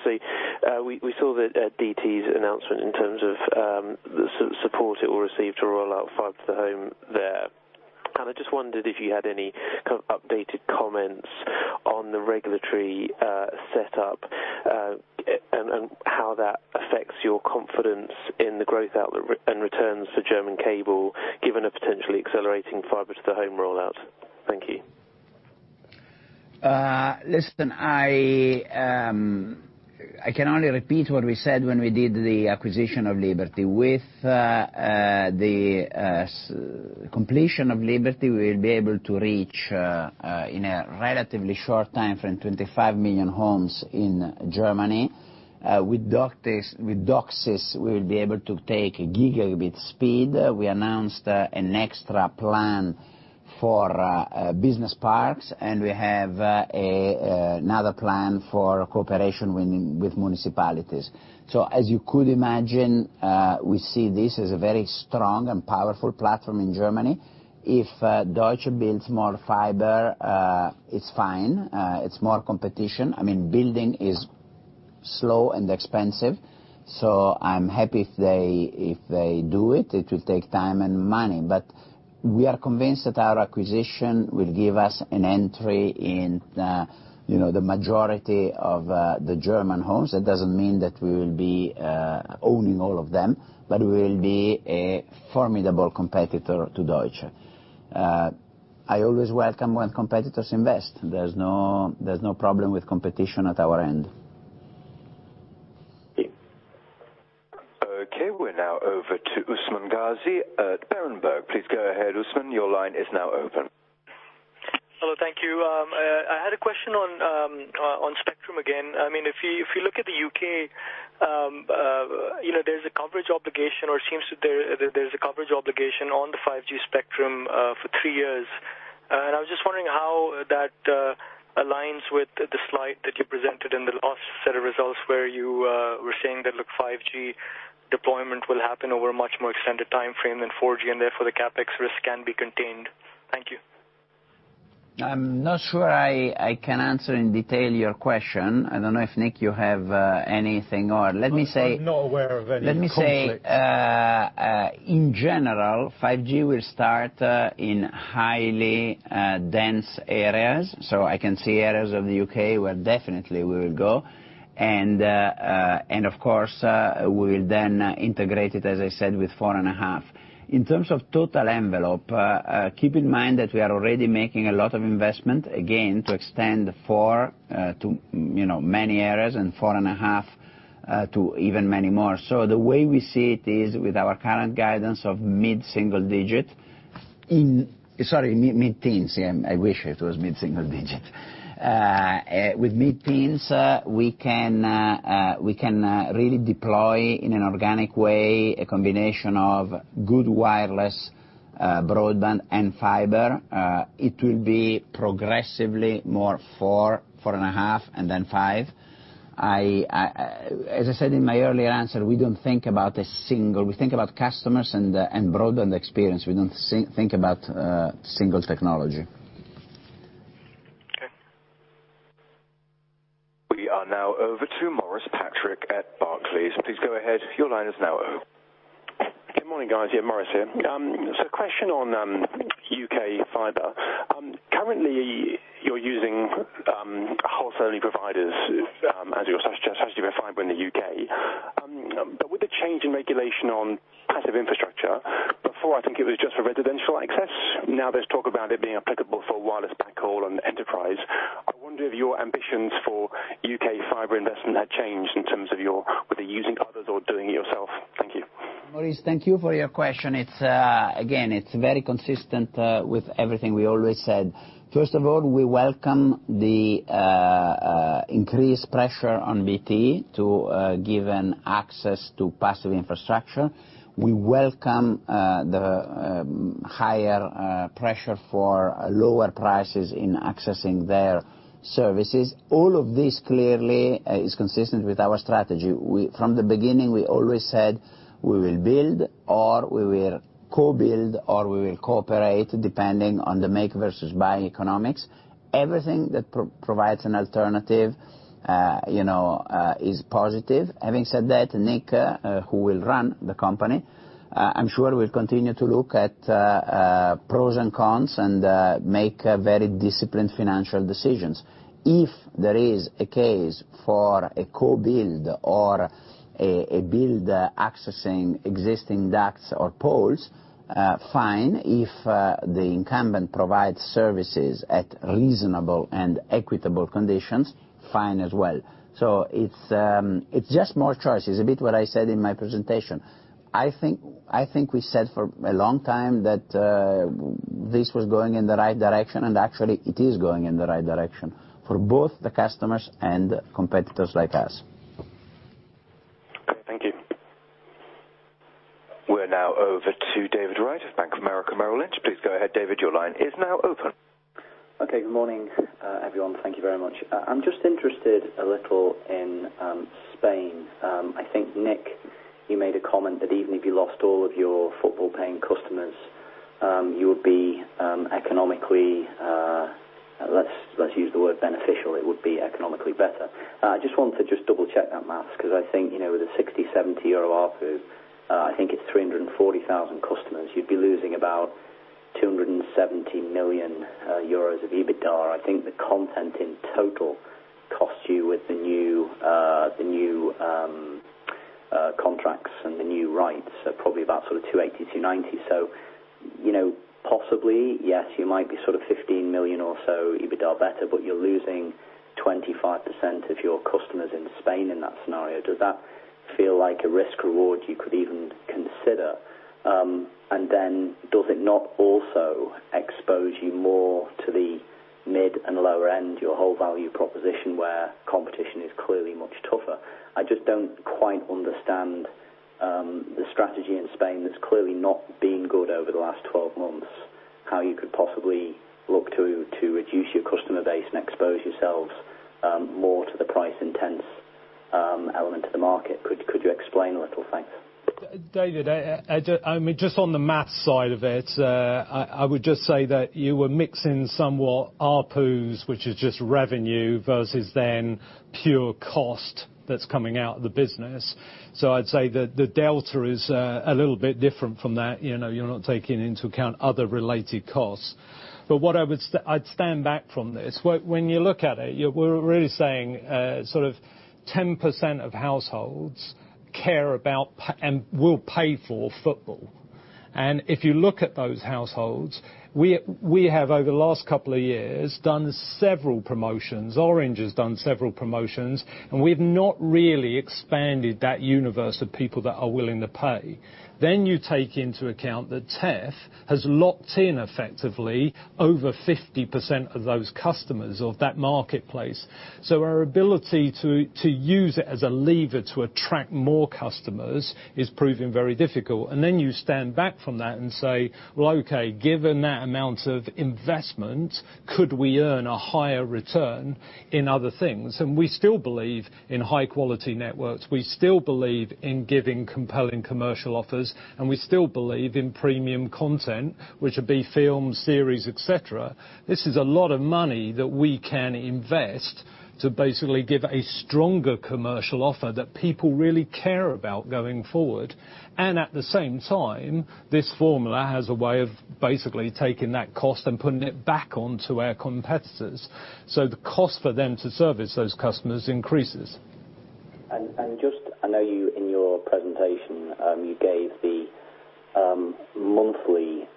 [SPEAKER 12] We saw that DT's announcement in terms of the support it will receive to roll out fiber to the home there. I just wondered if you had any kind of updated comments on the regulatory setup, and how that affects your confidence in the growth outlook and returns to German cable, given a potentially accelerating fiber to the home rollout. Thank you.
[SPEAKER 1] Listen, I can only repeat what we said when we did the acquisition of Liberty. With the completion of Liberty, we'll be able to reach, in a relatively short timeframe, 25 million homes in Germany. With DOCSIS, we'll be able to take a gigabit speed. We announced an extra plan for business parks, and we have another plan for cooperation with municipalities. As you could imagine, we see this as a very strong and powerful platform in Germany. If Deutsche builds more fiber, it's fine. It's more competition. Building is slow and expensive, so I'm happy if they do it. It will take time and money. We are convinced that our acquisition will give us an entry in the majority of the German homes. That doesn't mean that we will be owning all of them, but we will be a formidable competitor to Deutsche. I always welcome when competitors invest. There's no problem with competition at our end.
[SPEAKER 12] Yeah.
[SPEAKER 3] We are now over to Usman Ghazi at Berenberg. Please go ahead, Usman, your line is now open.
[SPEAKER 13] Hello, thank you. I had a question on spectrum again. If you look at the U.K., there's a coverage obligation, or it seems there's a coverage obligation on the 5G spectrum for three years. I was just wondering how that aligns with the slide that you presented in the last set of results where you were saying that look, 5G deployment will happen over a much more extended timeframe than 4G, and therefore the CapEx risk can be contained. Thank you.
[SPEAKER 1] I am not sure I can answer in detail your question. I do not know if, Nick, you have anything.
[SPEAKER 2] I'm not aware of any conflict
[SPEAKER 1] Let me say, in general, 5G will start in highly dense areas. I can see areas of the U.K. where definitely we will go. Of course, we'll then integrate it, as I said, with 4.5G. In terms of total envelope, keep in mind that we are already making a lot of investment, again, to extend 4G to many areas and 4.5G to even many more. The way we see it is with our current guidance of mid-single digit, sorry, mid-teens. I wish it was mid-single digit. With mid-teens, we can really deploy, in an organic way, a combination of good wireless broadband and fiber. It will be progressively more 4G, 4.5G, and then 5G. As I said in my earlier answer, we don't think about a single. We think about customers and the broadband experience. We don't think about single technology.
[SPEAKER 13] Okay.
[SPEAKER 3] We are now over to Maurice Patrick at Barclays. Please go ahead. Your line is now open.
[SPEAKER 14] Good morning, guys. Yeah, Maurice here. Question on U.K. fiber. Currently, you're using wholesale-only providers as your source of fiber in the U.K. With the change in regulation on passive infrastructure, before I think it was just for residential access. Now there's talk about it being applicable for wireless backhaul and enterprise. I wonder if your ambitions for U.K. fiber investment had changed in terms of your, whether using others or doing it yourself. Thank you.
[SPEAKER 1] Maurice, thank you for your question. Again, it's very consistent with everything we always said. First of all, we welcome the increased pressure on BT to give an access to passive infrastructure. We welcome the higher pressure for lower prices in accessing their services. All of this clearly is consistent with our strategy. From the beginning, we always said we will build or we will co-build, or we will cooperate depending on the make versus buy economics. Everything that provides an alternative is positive. Having said that, Nick, who will run the company, I'm sure will continue to look at pros and cons and make very disciplined financial decisions. If there is a case for a co-build or a build accessing existing ducts or poles, fine. If the incumbent provides services at reasonable and equitable conditions, fine as well. It's just more choices. A bit what I said in my presentation. I think we said for a long time that this was going in the right direction, and actually it is going in the right direction for both the customers and competitors like us.
[SPEAKER 14] Okay, thank you.
[SPEAKER 3] We are now over to David Wright of Bank of America Merrill Lynch. Please go ahead, David. Your line is now open.
[SPEAKER 15] Good morning, everyone. Thank you very much. I am just interested a little in Spain. I think, Nick, you made a comment that even if you lost all of your football paying customers, you would be, economically, let's use the word beneficial. It would be economically better. I just wanted to just double-check that math, because I think, with a 60, 70 euro ARPU, I think it is 340,000 customers. You would be losing about 270 million euros of EBITDA. I think the content in total costs you with the new contracts and the new rights are probably about sort of 280 million, 290 million. Possibly, yes, you might be sort of 15 million or so EBITDA better, but you are losing 25% of your customers in Spain in that scenario. Does that feel like a risk reward you could even consider? Does it not also expose you more to the mid and lower end, your whole value proposition, where competition is clearly much tougher? I just don't quite understand the strategy in Spain that has clearly not been good over the last 12 months, how you could possibly look to reduce your customer base and expose yourselves more to the price intense element of the market. Could you explain a little? Thanks.
[SPEAKER 2] David, just on the math side of it, I would just say that you were mixing somewhat ARPUs, which is just revenue, versus pure cost that is coming out of the business. I would say that the delta is a little bit different from that. You are not taking into account other related costs. I would stand back from this. When you look at it, we are really saying 10% of households care about and will pay for football. If you look at those households, we have over the last couple of years, done several promotions. Orange has done several promotions, and we have not really expanded that universe of people that are willing to pay. You take into account that Telefónica has locked in effectively over 50% of those customers of that marketplace. Our ability to use it as a lever to attract more customers is proving very difficult. You stand back from that and say, "Well, okay, given that amount of investment, could we earn a higher return in other things?" We still believe in high quality networks. We still believe in giving compelling commercial offers, we still believe in premium content, which would be films, series, et cetera. This is a lot of money that we can invest to basically give a stronger commercial offer that people really care about going forward. At the same time, this formula has a way of basically taking that cost and putting it back onto our competitors. The cost for them to service those customers increases.
[SPEAKER 15] I know in your presentation, you gave the monthly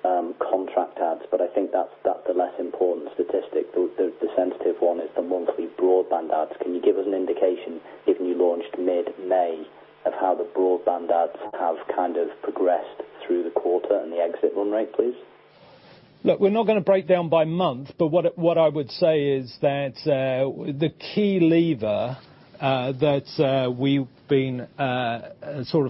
[SPEAKER 15] contract adds, but I think that's the less important statistic. The sensitive one is the monthly broadband adds. Can you give us an indication, given you launched mid-May, of how the broadband adds have progressed through the quarter and the exit run rate, please?
[SPEAKER 2] We're not going to break down by month, but what I would say is that the key lever that we've been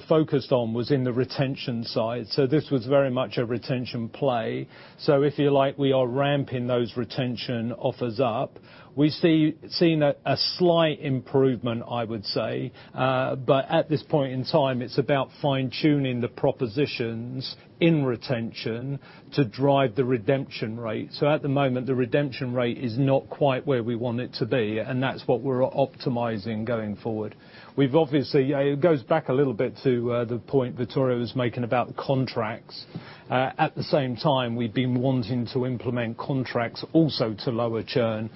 [SPEAKER 2] focused on was in the retention side. This was very much a retention play. If you like, we are ramping those retention offers up. We're seeing a slight improvement, I would say. At this point in time, it's about fine-tuning the propositions in retention to drive the redemption rate. At the moment, the redemption rate is not quite where we want it to be, and that's what we're optimizing going forward. It goes back a little bit to the point Vittorio was making about contracts. We've been wanting to implement contracts also to lower churn,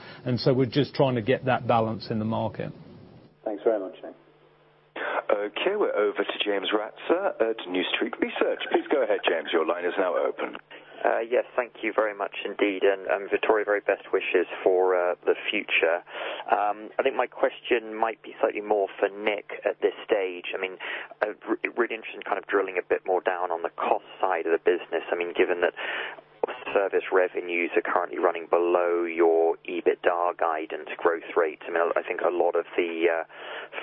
[SPEAKER 2] we're just trying to get that balance in the market.
[SPEAKER 15] Thanks very much, Nick.
[SPEAKER 3] Okay, we're over to James Ratzer at New Street Research. Please go ahead, James. Your line is now open.
[SPEAKER 16] Yes, thank you very much indeed. Vittorio, very best wishes for the future. I think my question might be slightly more for Nick at this stage. I'm really interested in kind of drilling a bit more down on the cost side of the business. Given that service revenues are currently running below your EBITDA guidance growth rate, I think a lot of the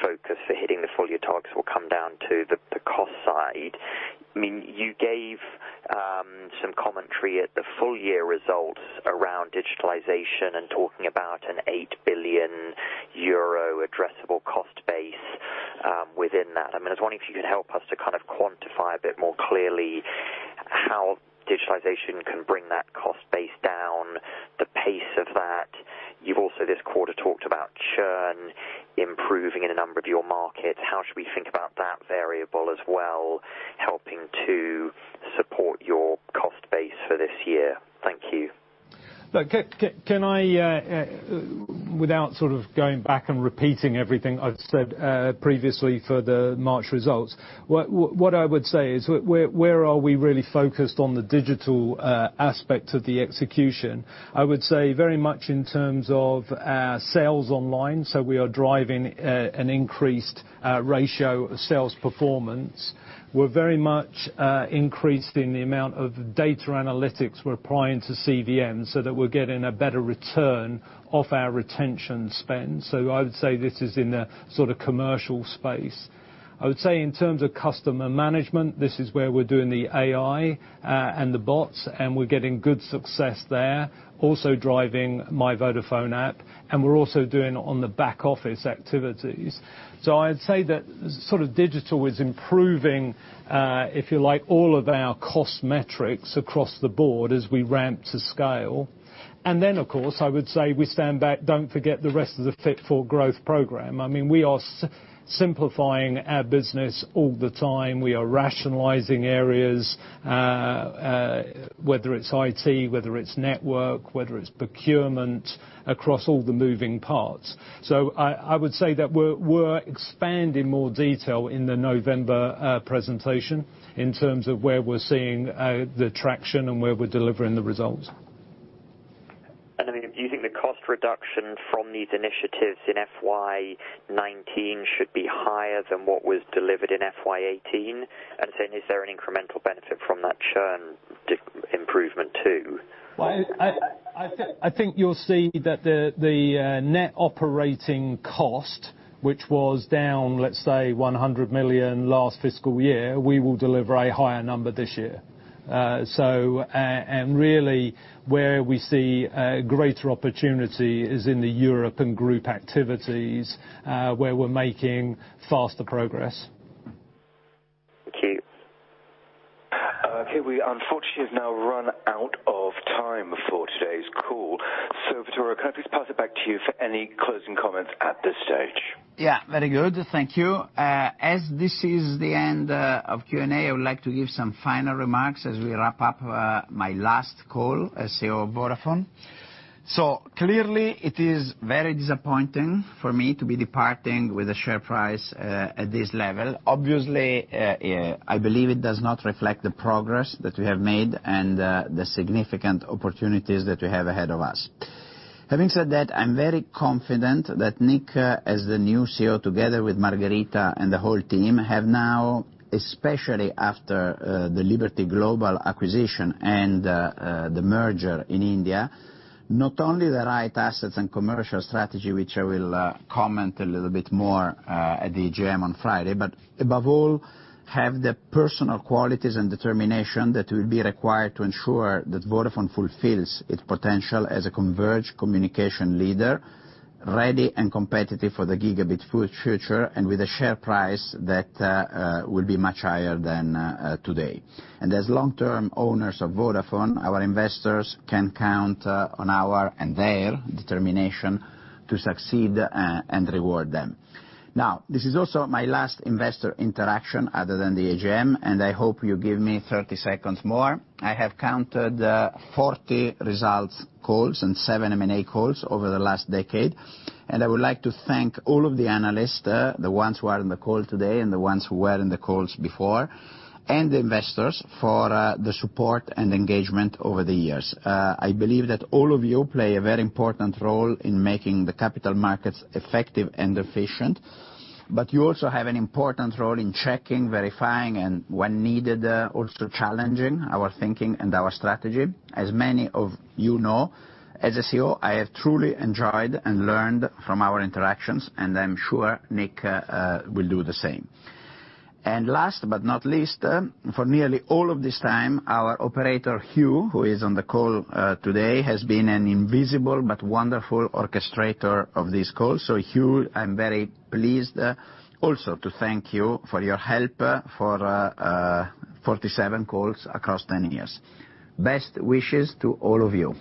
[SPEAKER 16] focus for hitting the full year targets will come down to the cost side. You gave some commentary at the full year results around digitalization and talking about an 8 billion euro addressable cost base within that. I was wondering if you could help us to quantify a bit more clearly how digitalization can bring that cost base down, the pace of that. You've also this quarter talked about churn improving in a number of your markets. How should we think about that variable as well, helping to support your cost base for this year? Thank you.
[SPEAKER 2] Look, can I, without sort of going back and repeating everything I've said previously for the March results, what I would say is, where are we really focused on the digital aspect of the execution? I would say very much in terms of our sales online, so we are driving an increased ratio of sales performance. We're very much increased in the amount of data analytics we're applying to CVMs, so that we're getting a better return off our retention spend. I would say this is in the commercial space. I would say in terms of customer management, this is where we're doing the AI, and the bots, and we're getting good success there. Also driving My Vodafone app, and we're also doing on the back office activities.
[SPEAKER 1] I'd say that digital is improving, if you like, all of our cost metrics across the board as we ramp to scale. Of course, I would say we stand back, don't forget the rest of the Fit for Growth program. We are simplifying our business all the time. We are rationalizing areas, whether it's IT, whether it's network, whether it's procurement, across all the moving parts. I would say that we're expanding more detail in the November presentation in terms of where we're seeing the traction and where we're delivering the results.
[SPEAKER 16] Do you think the cost reduction from these initiatives in FY 2019 should be higher than what was delivered in FY 2018? Is there an incremental benefit from that churn improvement too?
[SPEAKER 1] I think you'll see that the net operating cost, which was down, let's say, 100 million last fiscal year, we will deliver a higher number this year. Really where we see greater opportunity is in the Europe and group activities, where we're making faster progress.
[SPEAKER 16] Okay.
[SPEAKER 3] Okay, we unfortunately have now run out of time for today's call. Vittorio, can I please pass it back to you for any closing comments at this stage?
[SPEAKER 1] Yeah, very good. Thank you. As this is the end of Q&A, I would like to give some final remarks as we wrap up my last call as CEO of Vodafone. Clearly it is very disappointing for me to be departing with the share price at this level. Obviously, I believe it does not reflect the progress that we have made and the significant opportunities that we have ahead of us. Having said that, I'm very confident that Nick, as the new CEO, together with Margherita and the whole team, have now, especially after the Liberty Global acquisition and the merger in India, not only the right assets and commercial strategy, which I will comment a little bit more at the AGM on Friday, but above all, have the personal qualities and determination that will be required to ensure that Vodafone fulfills its potential as a converged communication leader, ready and competitive for the gigabit future, and with a share price that will be much higher than today. As long-term owners of Vodafone, our investors can count on our, and their, determination to succeed and reward them. This is also my last investor interaction, other than the AGM, and I hope you give me 30 seconds more. I have counted 40 results calls and seven M&A calls over the last decade, I would like to thank all of the analysts, the ones who are on the call today and the ones who were in the calls before, and the investors for the support and engagement over the years. I believe that all of you play a very important role in making the capital markets effective and efficient, but you also have an important role in checking, verifying, and, when needed, also challenging our thinking and our strategy. As many of you know, as a CEO, I have truly enjoyed and learned from our interactions, and I'm sure Nick will do the same. Last but not least, for nearly all of this time, our operator, Hugh, who is on the call today, has been an invisible but wonderful orchestrator of these calls. Hugh, I'm very pleased also to thank you for your help for 47 calls across 10 years. Best wishes to all of you.